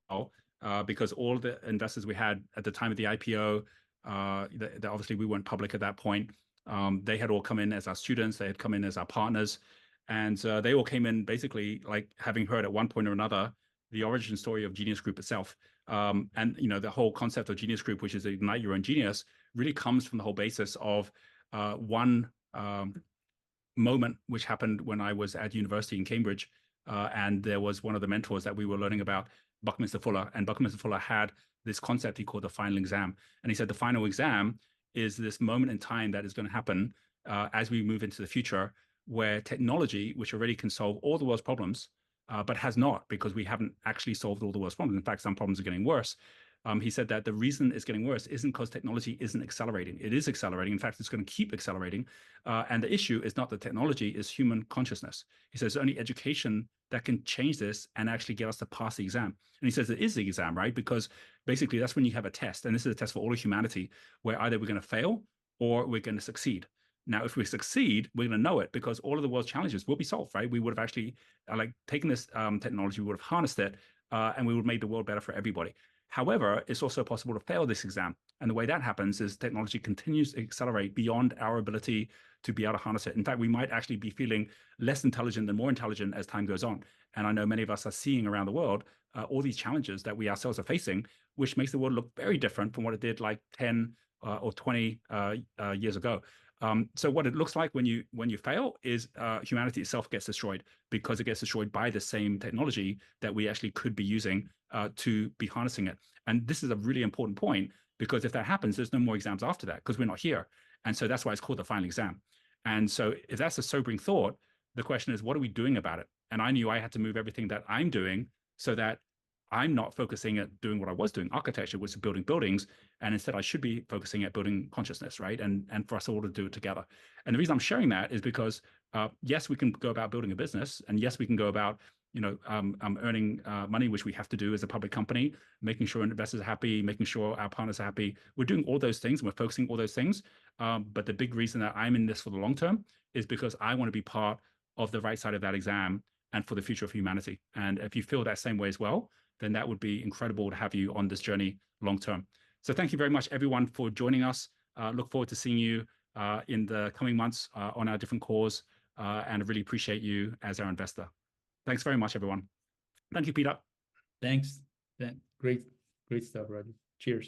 Because all the investors we had at the time of the IPO, obviously we weren't public at that point. They had all come in as our students. They had come in as our partners. They all came in basically like having heard at one point or another, the origin story of Genius Group itself. You know, the whole concept of Genius Group, which is Ignite Your Own Genius, really comes from the whole basis of one moment which happened when I was at university in Cambridge. There was one of the mentors that we were learning about, Buckminster Fuller. Buckminster Fuller had this concept he called the final exam. And he said the final exam is this moment in time that is going to happen as we move into the future where technology, which already can solve all the world's problems, but has not because we haven't actually solved all the world's problems. In fact, some problems are getting worse. He said that the reason it's getting worse isn't because technology isn't accelerating. It is accelerating. In fact, it's going to keep accelerating. And the issue is not the technology, it's human consciousness. He says it's only education that can change this and actually get us to pass the exam. And he says it is the exam, right? Because basically that's when you have a test. And this is a test for all of humanity where either we're going to fail or we're going to succeed. Now, if we succeed, we're going to know it because all of the world's challenges will be solved, right? We would have actually like taken this technology, we would have harnessed it, and we would have made the world better for everybody. However, it's also possible to fail this exam. The way that happens is technology continues to accelerate beyond our ability to be able to harness it. In fact, we might actually be feeling less intelligent and more intelligent as time goes on. I know many of us are seeing around the world all these challenges that we ourselves are facing, which makes the world look very different from what it did like 10 or 20 years ago. So what it looks like when you fail is humanity itself gets destroyed because it gets destroyed by the same technology that we actually could be using to be harnessing it. And this is a really important point because if that happens, there's no more exams after that because we're not here. And so that's why it's called the final exam. And so if that's a sobering thought, the question is, what are we doing about it? And I knew I had to move everything that I'm doing so that I'm not focusing at doing what I was doing. Architecture was building buildings. And instead, I should be focusing at building consciousness, right? And for us all to do it together. And the reason I'm sharing that is because, yes, we can go about building a business. Yes, we can go about, you know, earning money, which we have to do as a public company, making sure investors are happy, making sure our partners are happy. We're doing all those things. We're focusing on all those things. But the big reason that I'm in this for the long term is because I want to be part of the right side of that exam and for the future of humanity. And if you feel that same way as well, then that would be incredible to have you on this journey long term. So thank you very much, everyone, for joining us. Look forward to seeing you in the coming months on our different calls. And I really appreciate you as our investor. Thanks very much, everyone. Thank you, Peter. Thanks. Great, great stuff, Roger. Cheers.